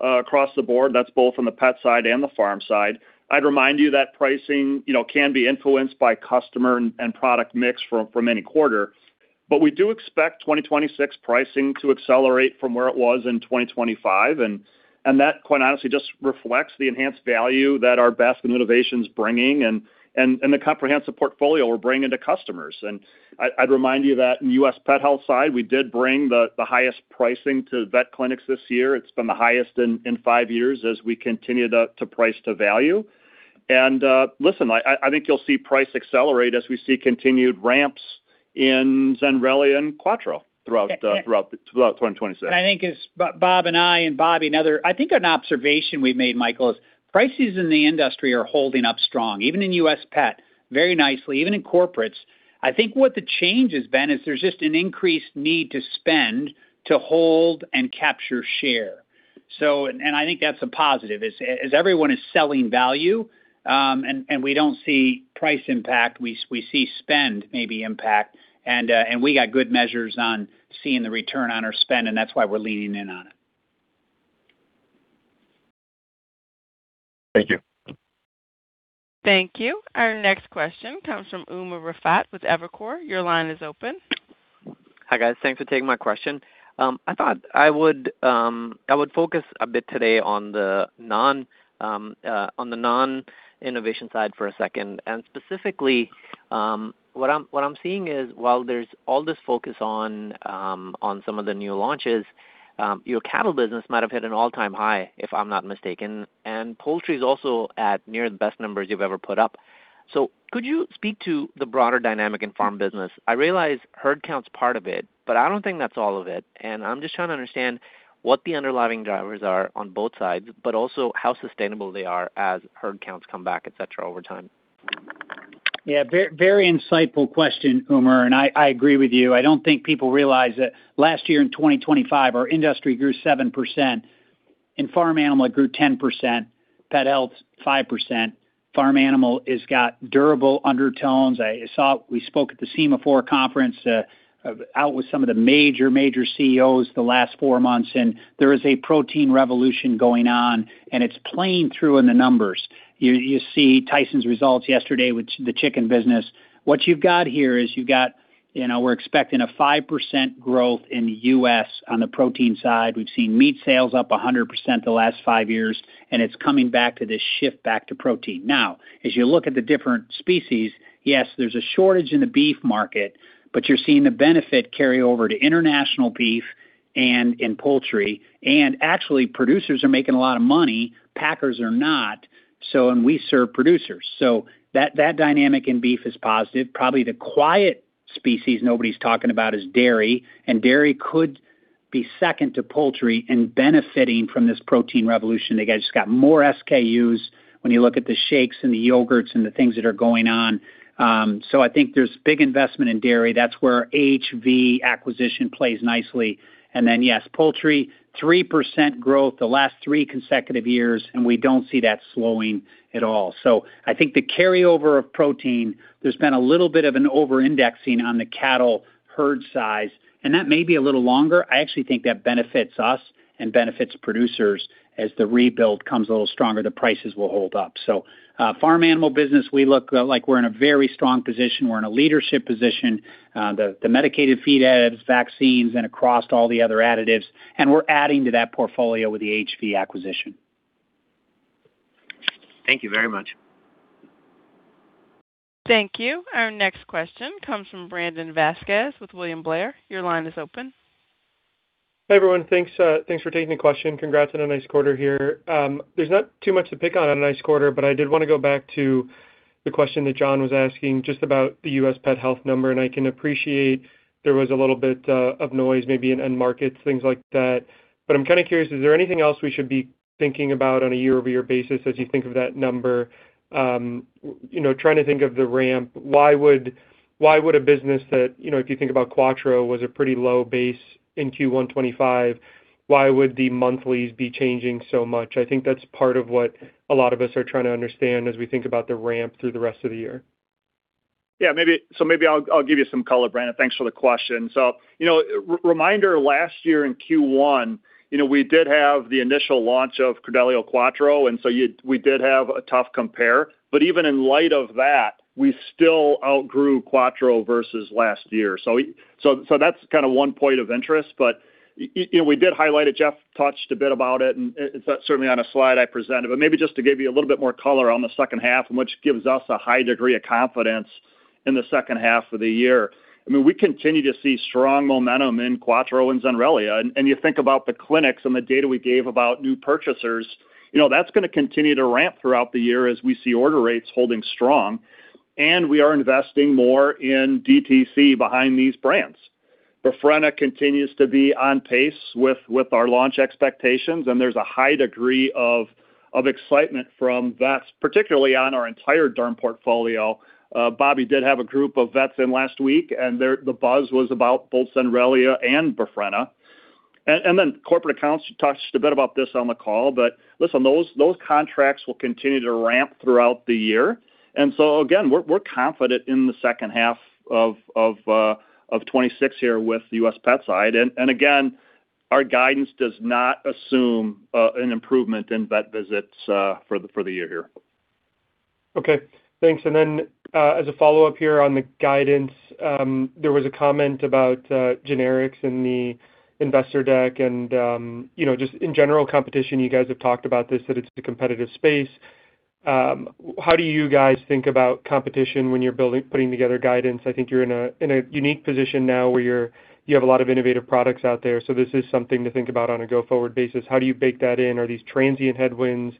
across the board. That's both on the pet side and the farm side. I'd remind you that pricing, you know, can be influenced by customer and product mix for any quarter. We do expect 2026 pricing to accelerate from where it was in 2025, and that quite honestly just reflects the enhanced value that our best innovations bringing and the comprehensive portfolio we're bringing to customers. I'd remind you that in U.S. pet health side, we did bring the highest pricing to vet clinics this year. It's been the highest in five years as we continue to price to value. Listen, I think you'll see price accelerate as we see continued ramps in Zenrelia and Quattro throughout. Yeah, yeah. Throughout 2026. As Bob and I and Bobby, an observation we've made, Michael, is prices in the industry are holding up strong, even in U.S. pet, very nicely, even in corporates. What the change has been is there's just an increased need to spend to hold and capture share. And I think that's a positive, is everyone is selling value, and we don't see price impact. We see spend maybe impact and we got good measures on seeing the return on our spend, and that's why we're leaning in on it. Thank you. Thank you. Our next question comes from Umer Raffat with Evercore. Your line is open. Hi, guys. Thanks for taking my question. I thought I would focus a bit today on the non-innovation side for a second. Specifically, what I'm seeing is while there's all this focus on some of the new launches, your cattle business might have hit an all-time high, if I'm not mistaken. Poultry is also at near the best numbers you've ever put up. Could you speak to the broader dynamic in farm business? I realize herd count's part of it, but I don't think that's all of it, and I'm just trying to understand what the underlying drivers are on both sides, but also how sustainable they are as herd counts come back, et cetera, over time. Yeah, very insightful question, Umer Raffat, and I agree with you. I don't think people realize that last year in 2025, our industry grew 7%. Farm animal grew 10%, pet health 5%. Farm animal has got durable undertones. We spoke at the SEMA4 conference out with some of the major CEOs the last four months. There is a protein revolution going on. It's playing through in the numbers. You see Tyson Foods results yesterday with the chicken business. What you've got here is you've got, you know, we're expecting a 5% growth in the U.S. on the protein side. We've seen meat sales up 100% the last five years. It's coming back to this shift back to protein. As you look at the different species, yes, there's a shortage in the beef market, you're seeing the benefit carry over to international beef and in poultry, and actually producers are making a lot of money. Packers are not. We serve producers. That dynamic in beef is positive. Probably the quiet species nobody's talking about is dairy could be second to poultry in benefiting from this protein revolution. They just got more SKUs when you look at the shakes and the yogurts and the things that are going on. I think there's big investment in dairy. That's where AHV acquisition plays nicely. Yes, poultry, 3% growth the last three consecutive years, we don't see that slowing at all. I think the carryover of protein, there's been a little bit of an over-indexing on the cattle herd size, and that may be a little longer. I actually think that benefits us and benefits producers as the rebuild comes a little stronger, the prices will hold up. Farm animal business, we look like we're in a very strong position. We're in a leadership position. The Medicated Feed Adds, vaccines and across all the other additives, and we're adding to that portfolio with the AHV acquisition. Thank you very much. Thank you. Our next question comes from Brandon Vazquez with William Blair. Your line is open. Hey everyone. Thanks for taking the question. Congrats on a nice quarter here. There's not too much to pick on on a nice quarter. I did want to go back to the question that Jon was asking just about the U.S. pet health number, and I can appreciate there was a little bit of noise maybe in end markets, things like that. I'm kinda curious, is there anything else we should be thinking about on a year-over-year basis as you think of that number? You know, trying to think of the ramp, why would a business that, you know, if you think about Quattro was a pretty low base in Q1 2025, why would the monthlies be changing so much? I think that's part of what a lot of us are trying to understand as we think about the ramp through the rest of the year. Yeah. Maybe I'll give you some color, Brandon. Thanks for the question. You know, reminder, last year in Q1, you know, we did have the initial launch of Credelio Quattro, we did have a tough compare. Even in light of that, we still outgrew Quattro versus last year. That's kind of one point of interest. You know, we did highlight it, Jeff touched a bit about it's certainly on a slide I presented. Maybe just to give you a little bit more color on the second half, which gives us a high degree of confidence in the second half of the year. I mean, we continue to see strong momentum in Quattro and Zenrelia. You think about the clinics and the data we gave about new purchasers, you know, that's gonna continue to ramp throughout the year as we see order rates holding strong, and we are investing more in DTC behind these brands. Befrena continues to be on pace with our launch expectations. There's a high degree of excitement from vets, particularly on our entire derm portfolio. Bobby did have a group of vets in last week, and the buzz was about both Zenrelia and Befrena. Then corporate accounts, you talked just a bit about this on the call, but listen, those contracts will continue to ramp throughout the year. So again, we're confident in the second half of 2026 here with the U.S. pet side. Again, our guidance does not assume an improvement in vet visits for the year here. Okay. Thanks. As a follow-up here on the guidance, there was a comment about generics in the investor deck and, you know, just in general competition, you guys have talked about this, that it's a competitive space. How do you guys think about competition when you're putting together guidance? I think you're in a unique position now where you have a lot of innovative products out there, so this is something to think about on a go-forward basis. How do you bake that in? Are these transient headwinds?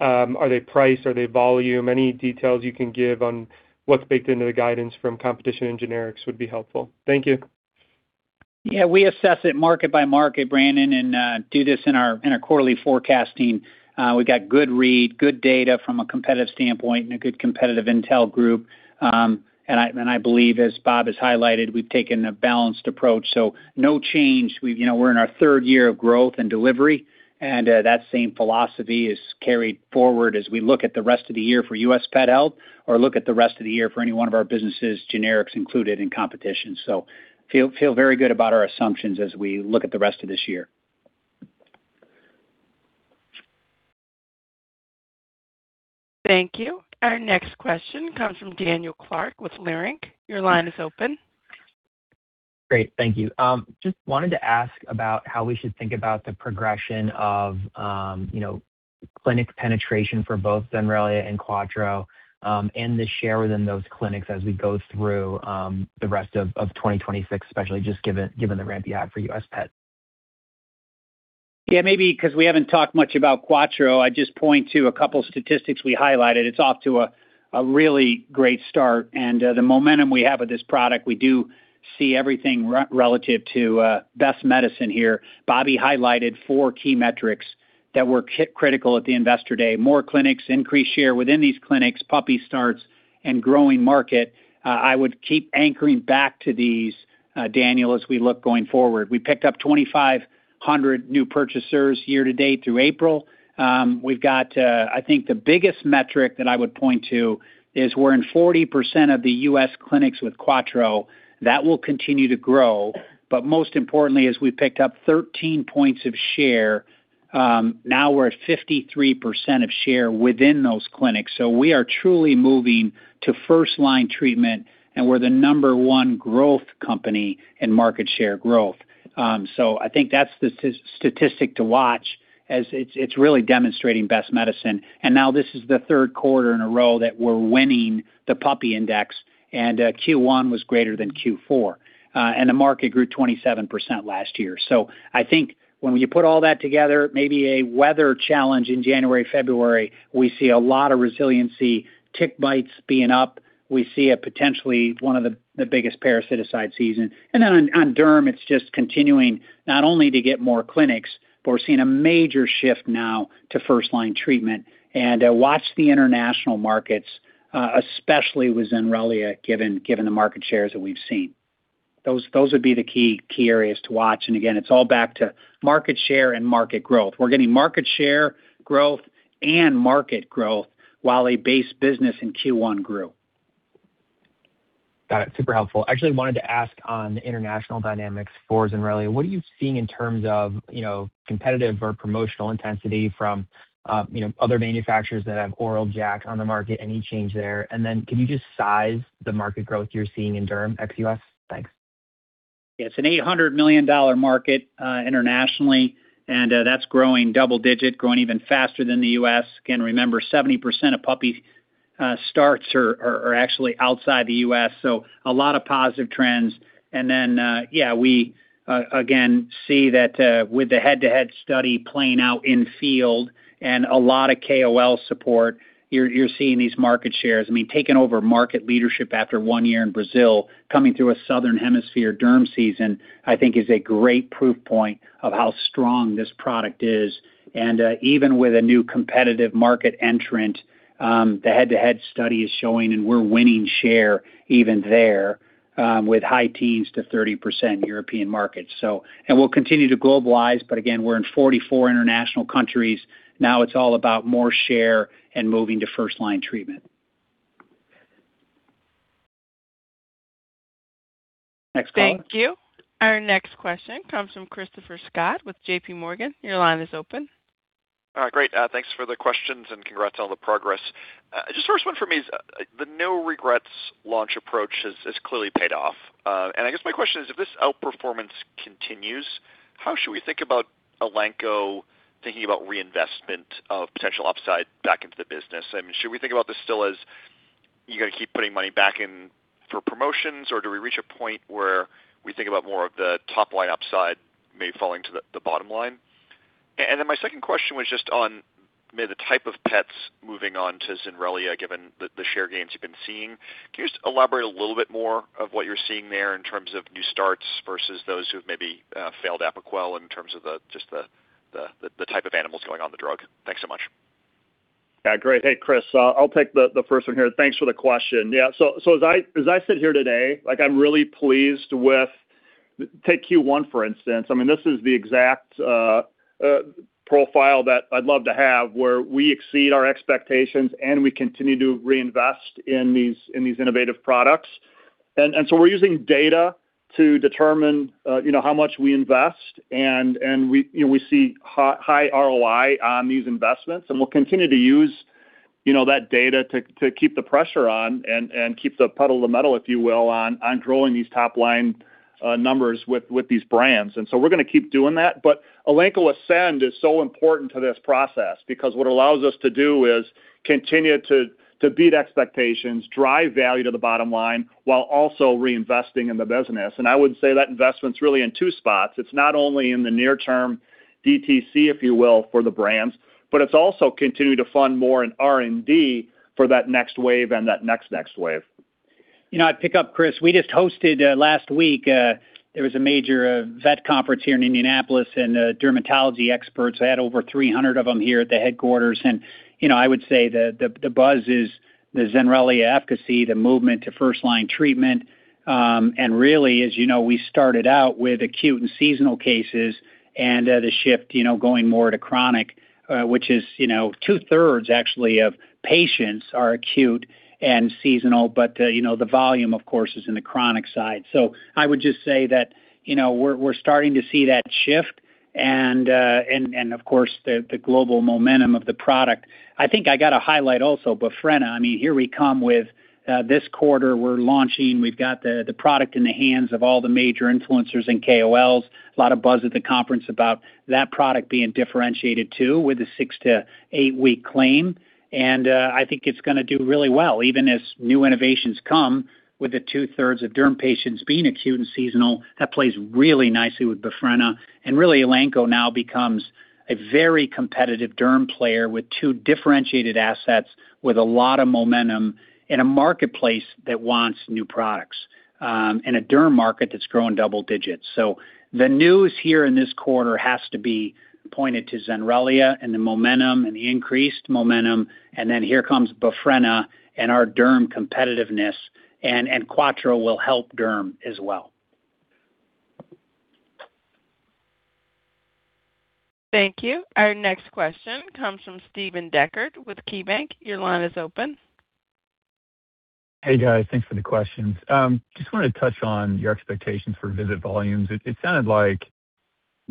Are they price? Are they volume? Any details you can give on what's baked into the guidance from competition and generics would be helpful. Thank you. Yeah. We assess it market by market, Brandon, and do this in our, in our quarterly forecasting. We got good read, good data from a competitive standpoint and a good competitive intel group. I, and I believe, as Bob has highlighted, we've taken a balanced approach. No change. We've, you know, we're in our third year of growth and delivery, and that same philosophy is carried forward as we look at the rest of the year for U.S. pet health or look at the rest of the year for any one of our businesses, generics included, and competition. Feel very good about our assumptions as we look at the rest of this year. Thank you. Our next question comes from Daniel Clark with Leerink. Your line is open. Great. Thank you. Just wanted to ask about how we should think about the progression of, you know, clinic penetration for both Zenrelia and Quattro, and the share within those clinics as we go through the rest of 2026, especially just given the ramp you have for U.S. pet. Yeah. Maybe 'cause we haven't talked much about Quattro, I'd just point to a couple statistics we highlighted. It's off to a really great start. The momentum we have with this product, we do see everything relative to best medicine here. Bobby highlighted four key metrics that were critical at the Investor Day. More clinics, increased share within these clinics, puppy starts, and growing market. I would keep anchoring back to these, Daniel, as we look going forward. We picked up 2,500 new purchasers year to date through April. We've got, I think the biggest metric that I would point to is we're in 40% of the U.S. clinics with Quattro. That will continue to grow. Most importantly is we picked up 13 points of share. Now we're at 53% of share within those clinics. We are truly moving to first line treatment, and we're the number one growth company in market share growth. I think that's the statistic to watch as it's really demonstrating best medicine. Now this is the third quarter in a row that we're winning the puppy index, and Q1 was greater than Q4. The market grew 27% last year. I think when you put all that together, maybe a weather challenge in January, February, we see a lot of resiliency, tick bites being up. We see a potentially one of the biggest parasitic season. On derm, it's just continuing not only to get more clinics, but we're seeing a major shift now to first line treatment. Watch the international markets, especially with Zenrelia, given the market shares that we've seen. Those would be the key areas to watch. Again, it's all back to market share and market growth. We're getting market share growth and market growth while a base business in Q1 grew. Got it. Super helpful. Actually wanted to ask on the international dynamics for Zenrelia. What are you seeing in terms of, you know, competitive or promotional intensity from, you know, other manufacturers that have oral JAK on the market? Any change there? Then can you just size the market growth you're seeing in Derm ex-US? Thanks. It's an $800 million market internationally, that's growing double-digit, growing even faster than the U.S. Again, remember, 70% of puppy starts are actually outside the U.S., a lot of positive trends. We again see that with the head-to-head study playing out in field and a lot of KOL support, you're seeing these market shares. I mean, taking over market leadership after one year in Brazil, coming through a southern hemisphere derm season, I think is a great proof point of how strong this product is. Even with a new competitive market entrant, the head-to-head study is showing and we're winning share even there, with high teens-30% European markets. We'll continue to globalize, but again, we're in 44 international countries. It's all about more share and moving to first line treatment. Next call. Thank you. Our next question comes from Chris Schott with JPMorgan. Your line is open. Great. Thanks for the questions and congrats on all the progress. Just first one for me is, the no regrets launch approach has clearly paid off. I guess my question is, if this outperformance continues, how should we think about Elanco thinking about reinvestment of potential upside back into the business? I mean, should we think about this still as you gotta keep putting money back in for promotions, or do we reach a point where we think about more of the top-line upside may falling to the bottom line? Then my second question was just on maybe the type of pets moving on to Zenrelia, given the share gains you've been seeing. Can you just elaborate a little bit more of what you're seeing there in terms of new starts versus those who have maybe failed Apoquel in terms of just the type of animals going on the drug? Thanks so much. Yeah, great. Hey, Chris, I'll take the first one here. Thanks for the question. As I sit here today, like I'm really pleased with, take Q1, for instance. I mean, this is the exact profile that I'd love to have, where we exceed our expectations and we continue to reinvest in these innovative products. We're using data to determine, you know, how much we invest and we, you know, we see high ROI on these investments, and we'll continue to use, you know, that data to keep the pressure on and keep the pedal to the metal, if you will, on growing these top-line numbers with these brands. We're gonna keep doing that. Elanco Ascend is so important to this process because what allows us to do is continue to beat expectations, drive value to the bottom line, while also reinvesting in the business. I would say that investment's really in two spots. It's not only in the near term DTC, if you will, for the brands, but it's also continue to fund more in R&D for that next wave and that next wave. You know, I'd pick up, Chris. We just hosted last week, there was a major vet conference here in Indianapolis, and dermatology experts, I had over 300 of them here at the headquarters. You know, I would say the buzz is the Zenrelia efficacy, the movement to first-line treatment. Really, as you know, we started out with acute and seasonal cases and the shift, you know, going more to chronic, which is, you know, 2/3 actually of patients are acute and seasonal. You know, the volume, of course, is in the chronic side. I would just say that, you know, we're starting to see that shift and of course the global momentum of the product. I think I got to highlight also Befrena. I mean, here we come with this quarter we're launching. We've got the product in the hands of all the major influencers and KOLs. A lot of buzz at the conference about that product being differentiated too with the six-to-eight-week claim. I think it's gonna do really well, even as new innovations come with the 2/3 of derm patients being acute and seasonal. That plays really nicely with Befrena. Really, Elanco now becomes a very competitive derm player with two differentiated assets with a lot of momentum in a marketplace that wants new products, and a derm market that's growing double digits. The news here in this quarter has to be pointed to Zenrelia and the momentum and the increased momentum. Here comes Befrena and our derm competitiveness and Quattro will help derm as well. Thank you. Our next question comes from Steve Dechert with KeyBanc. Your line is open. Hey, guys. Thanks for the questions. Just wanted to touch on your expectations for visit volumes. It sounded like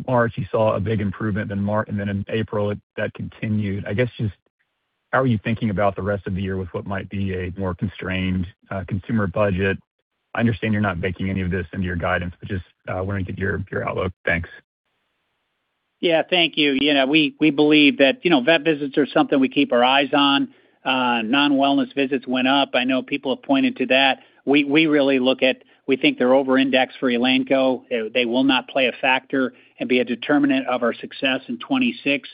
March you saw a big improvement than March that continued. I guess just how are you thinking about the rest of the year with what might be a more constrained consumer budget? I understand you're not baking any of this into your guidance, just wanting to get your outlook. Thanks. Yeah. Thank you. You know, we believe that, you know, vet visits are something we keep our eyes on. Non-wellness visits went up. I know people have pointed to that. We think they're over-indexed for Elanco. They will not play a factor and be a determinant of our success in 2026.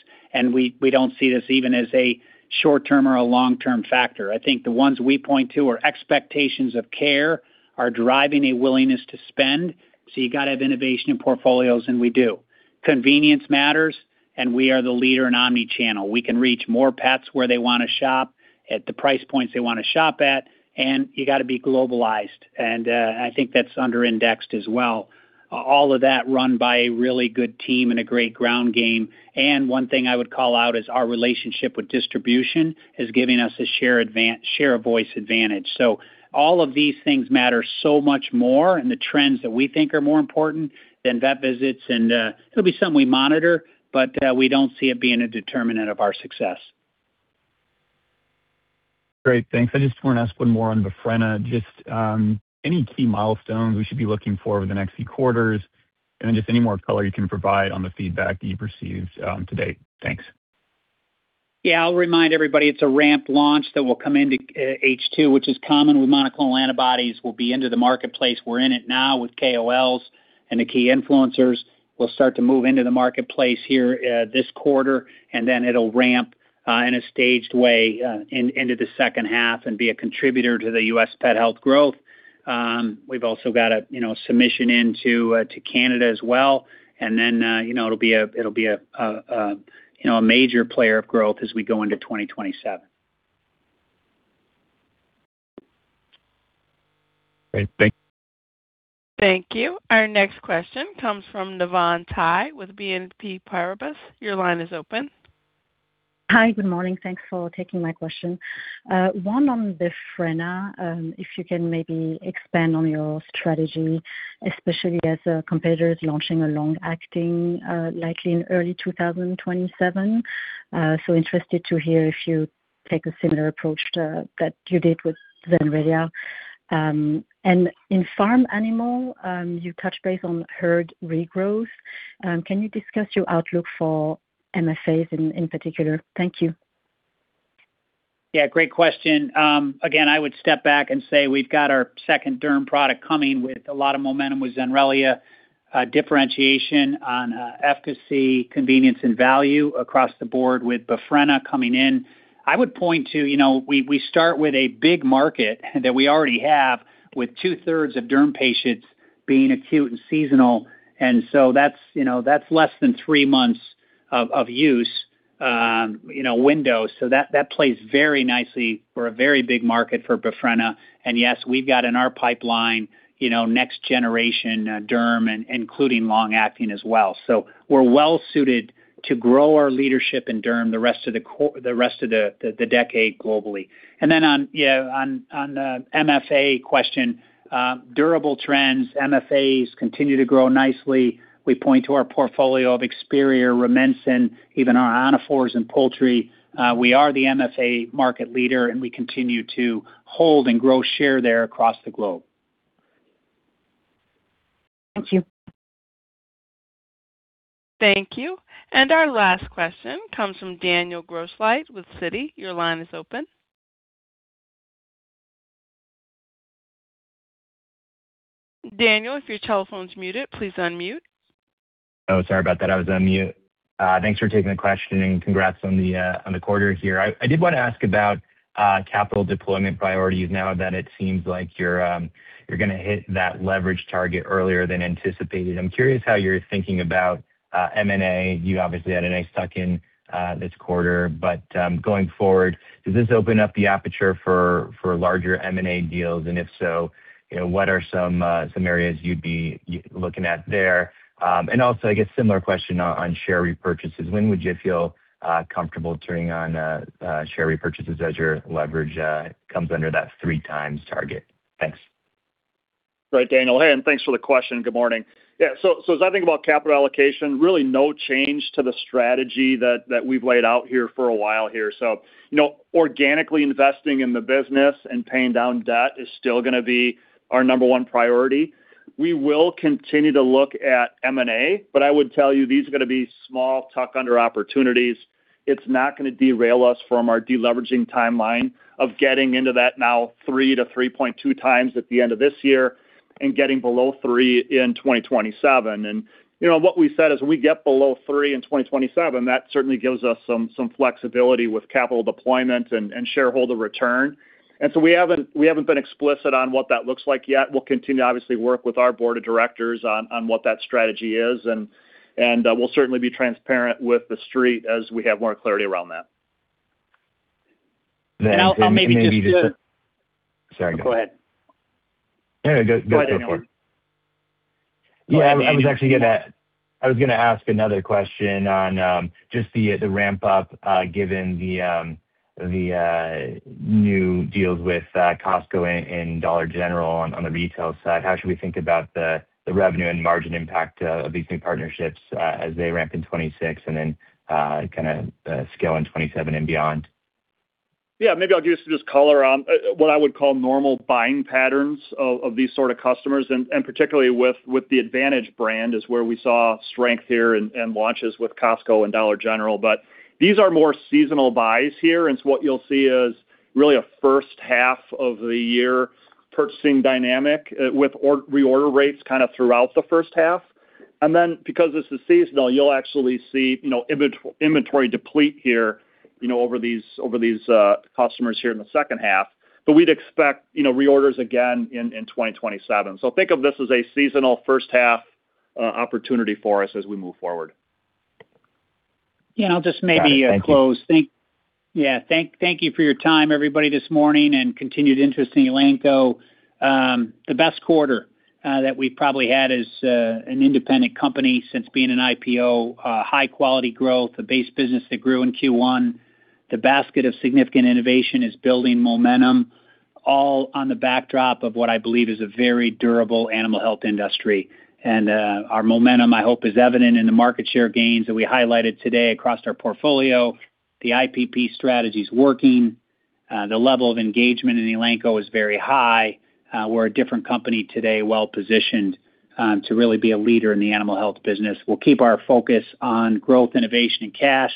We don't see this even as a short-term or a long-term factor. I think the ones we point to are expectations of care are driving a willingness to spend. You gotta have innovation in portfolios, and we do. Convenience matters, and we are the leader in omnichannel. We can reach more pets where they wanna shop, at the price points they wanna shop at, and you gotta be globalized. I think that's under-indexed as well. All of that run by a really good team and a great ground game. One thing I would call out is our relationship with distribution is giving us a share of voice advantage. All of these things matter so much more, and the trends that we think are more important than vet visits. It'll be something we monitor, but we don't see it being a determinant of our success. Great. Thanks. I just want to ask one more on the Befrena. Just, any key milestones we should be looking for over the next few quarters? Then just any more color you can provide on the feedback that you've received, to date. Thanks. Yeah, I'll remind everybody it's a ramp launch that will come into H2, which is common with monoclonal antibodies, will be into the marketplace. We're in it now with KOLs. The key influencers will start to move into the marketplace here this quarter. It'll ramp in a staged way into the second half and be a contributor to the U.S. pet health growth. We've also got a, you know, submission into to Canada as well. It'll be a, you know, a major player of growth as we go into 2027. Great. Thank you. Our next question comes from Navann Ty with BNP Paribas. Your line is open. Hi. Good morning. Thanks for taking my question. One on Befrena, if you can maybe expand on your strategy, especially as a competitor is launching a long-acting, likely in early 2027. Interested to hear if you take a similar approach that you did with Zenrelia. In farm animal, you touched base on herd regrowth. Can you discuss your outlook for MFAs in particular? Thank you. Yeah, great question. Again, I would step back and say we've got our second derm product coming with a lot of momentum with Zenrelia, differentiation on efficacy, convenience, and value across the board with Befrena coming in. I would point to, we start with a big market that we already have with 2/3 of derm patients being acute and seasonal. That's less than three months of use window. That plays very nicely for a very big market for Befrena. Yes, we've got in our pipeline, next generation derm and including long-acting as well. We're well-suited to grow our leadership in derm the rest of the decade globally. On, yeah, on MFA question, durable trends, MFAs continue to grow nicely. We point to our portfolio of Experior, Rumensin, even our Anafores and poultry. We are the MFA market leader, and we continue to hold and grow share there across the globe. Thank you. Thank you. Our last question comes from Daniel Grosslight with Citi. Your line is open. Daniel, if your telephone's muted, please unmute. Sorry about that. I was on mute. Thanks for taking the question, congrats on the quarter here. I did wanna ask about capital deployment priorities now that it seems like you're gonna hit that leverage target earlier than anticipated. I'm curious how you're thinking about M&A. You obviously had a nice tuck-in this quarter, going forward, does this open up the aperture for larger M&A deals? If so, you know, what are some areas you'd be looking at there? Also, I guess similar question on share repurchases. When would you feel comfortable turning on share repurchases as your leverage comes under that 3x target? Thanks. Right, Daniel. Hey, thanks for the question. Good morning. So as I think about capital allocation, really no change to the strategy that we've laid out here for a while here. You know, organically investing in the business and paying down debt is still going to be our number one priority. We will continue to look at M&A. I would tell you these are going to be small tuck under opportunities. It's not going to derail us from our de-leveraging timeline of getting into that now 3x-3.2x at the end of this year and getting below 3x in 2027. You know, what we said is when we get below 3x in 2027, that certainly gives us some flexibility with capital deployment and shareholder return. We haven't been explicit on what that looks like yet. We'll continue to obviously work with our board of directors on what that strategy is and we'll certainly be transparent with the street as we have more clarity around that. I'll maybe just. Sorry. Go ahead. No, no, go for it. Go ahead, Daniel. Yeah, I was actually gonna ask another question on just the ramp up given the new deals with Costco and Dollar General on the retail side. How should we think about the revenue and margin impact of these new partnerships as they ramp in 2026 and then kinda scale in 2027 and beyond? Maybe I'll give some just color on what I would call normal buying patterns of these sort of customers, and particularly with the Advantage brand is where we saw strength here and launches with Costco and Dollar General. These are more seasonal buys here, and so what you'll see is really a first half of the year purchasing dynamic with reorder rates kinda throughout the first half. Because this is seasonal, you'll actually see, you know, inventory deplete here, you know, over these, over these customers here in the second half. We'd expect, you know, reorders again in 2027. Think of this as a seasonal first half opportunity for us as we move forward. I'll just maybe close. Thank you for your time, everybody, this morning and continued interest in Elanco. The best quarter that we've probably had as an independent company since being an IPO. High-quality growth, a base business that grew in Q1. The basket of significant innovation is building momentum, all on the backdrop of what I believe is a very durable animal health industry. Our momentum, I hope, is evident in the market share gains that we highlighted today across our portfolio. The IPP strategy's working. The level of engagement in Elanco is very high. We're a different company today, well-positioned to really be a leader in the animal health business. We'll keep our focus on growth, innovation, and cash.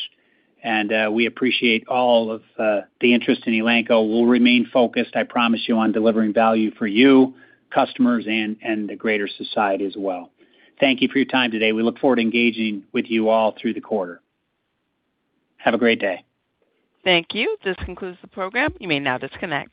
We appreciate all of the interest in Elanco. We'll remain focused, I promise you, on delivering value for you, customers, and the greater society as well. Thank you for your time today. We look forward to engaging with you all through the quarter. Have a great day. Thank you. This concludes the program. You may now disconnect.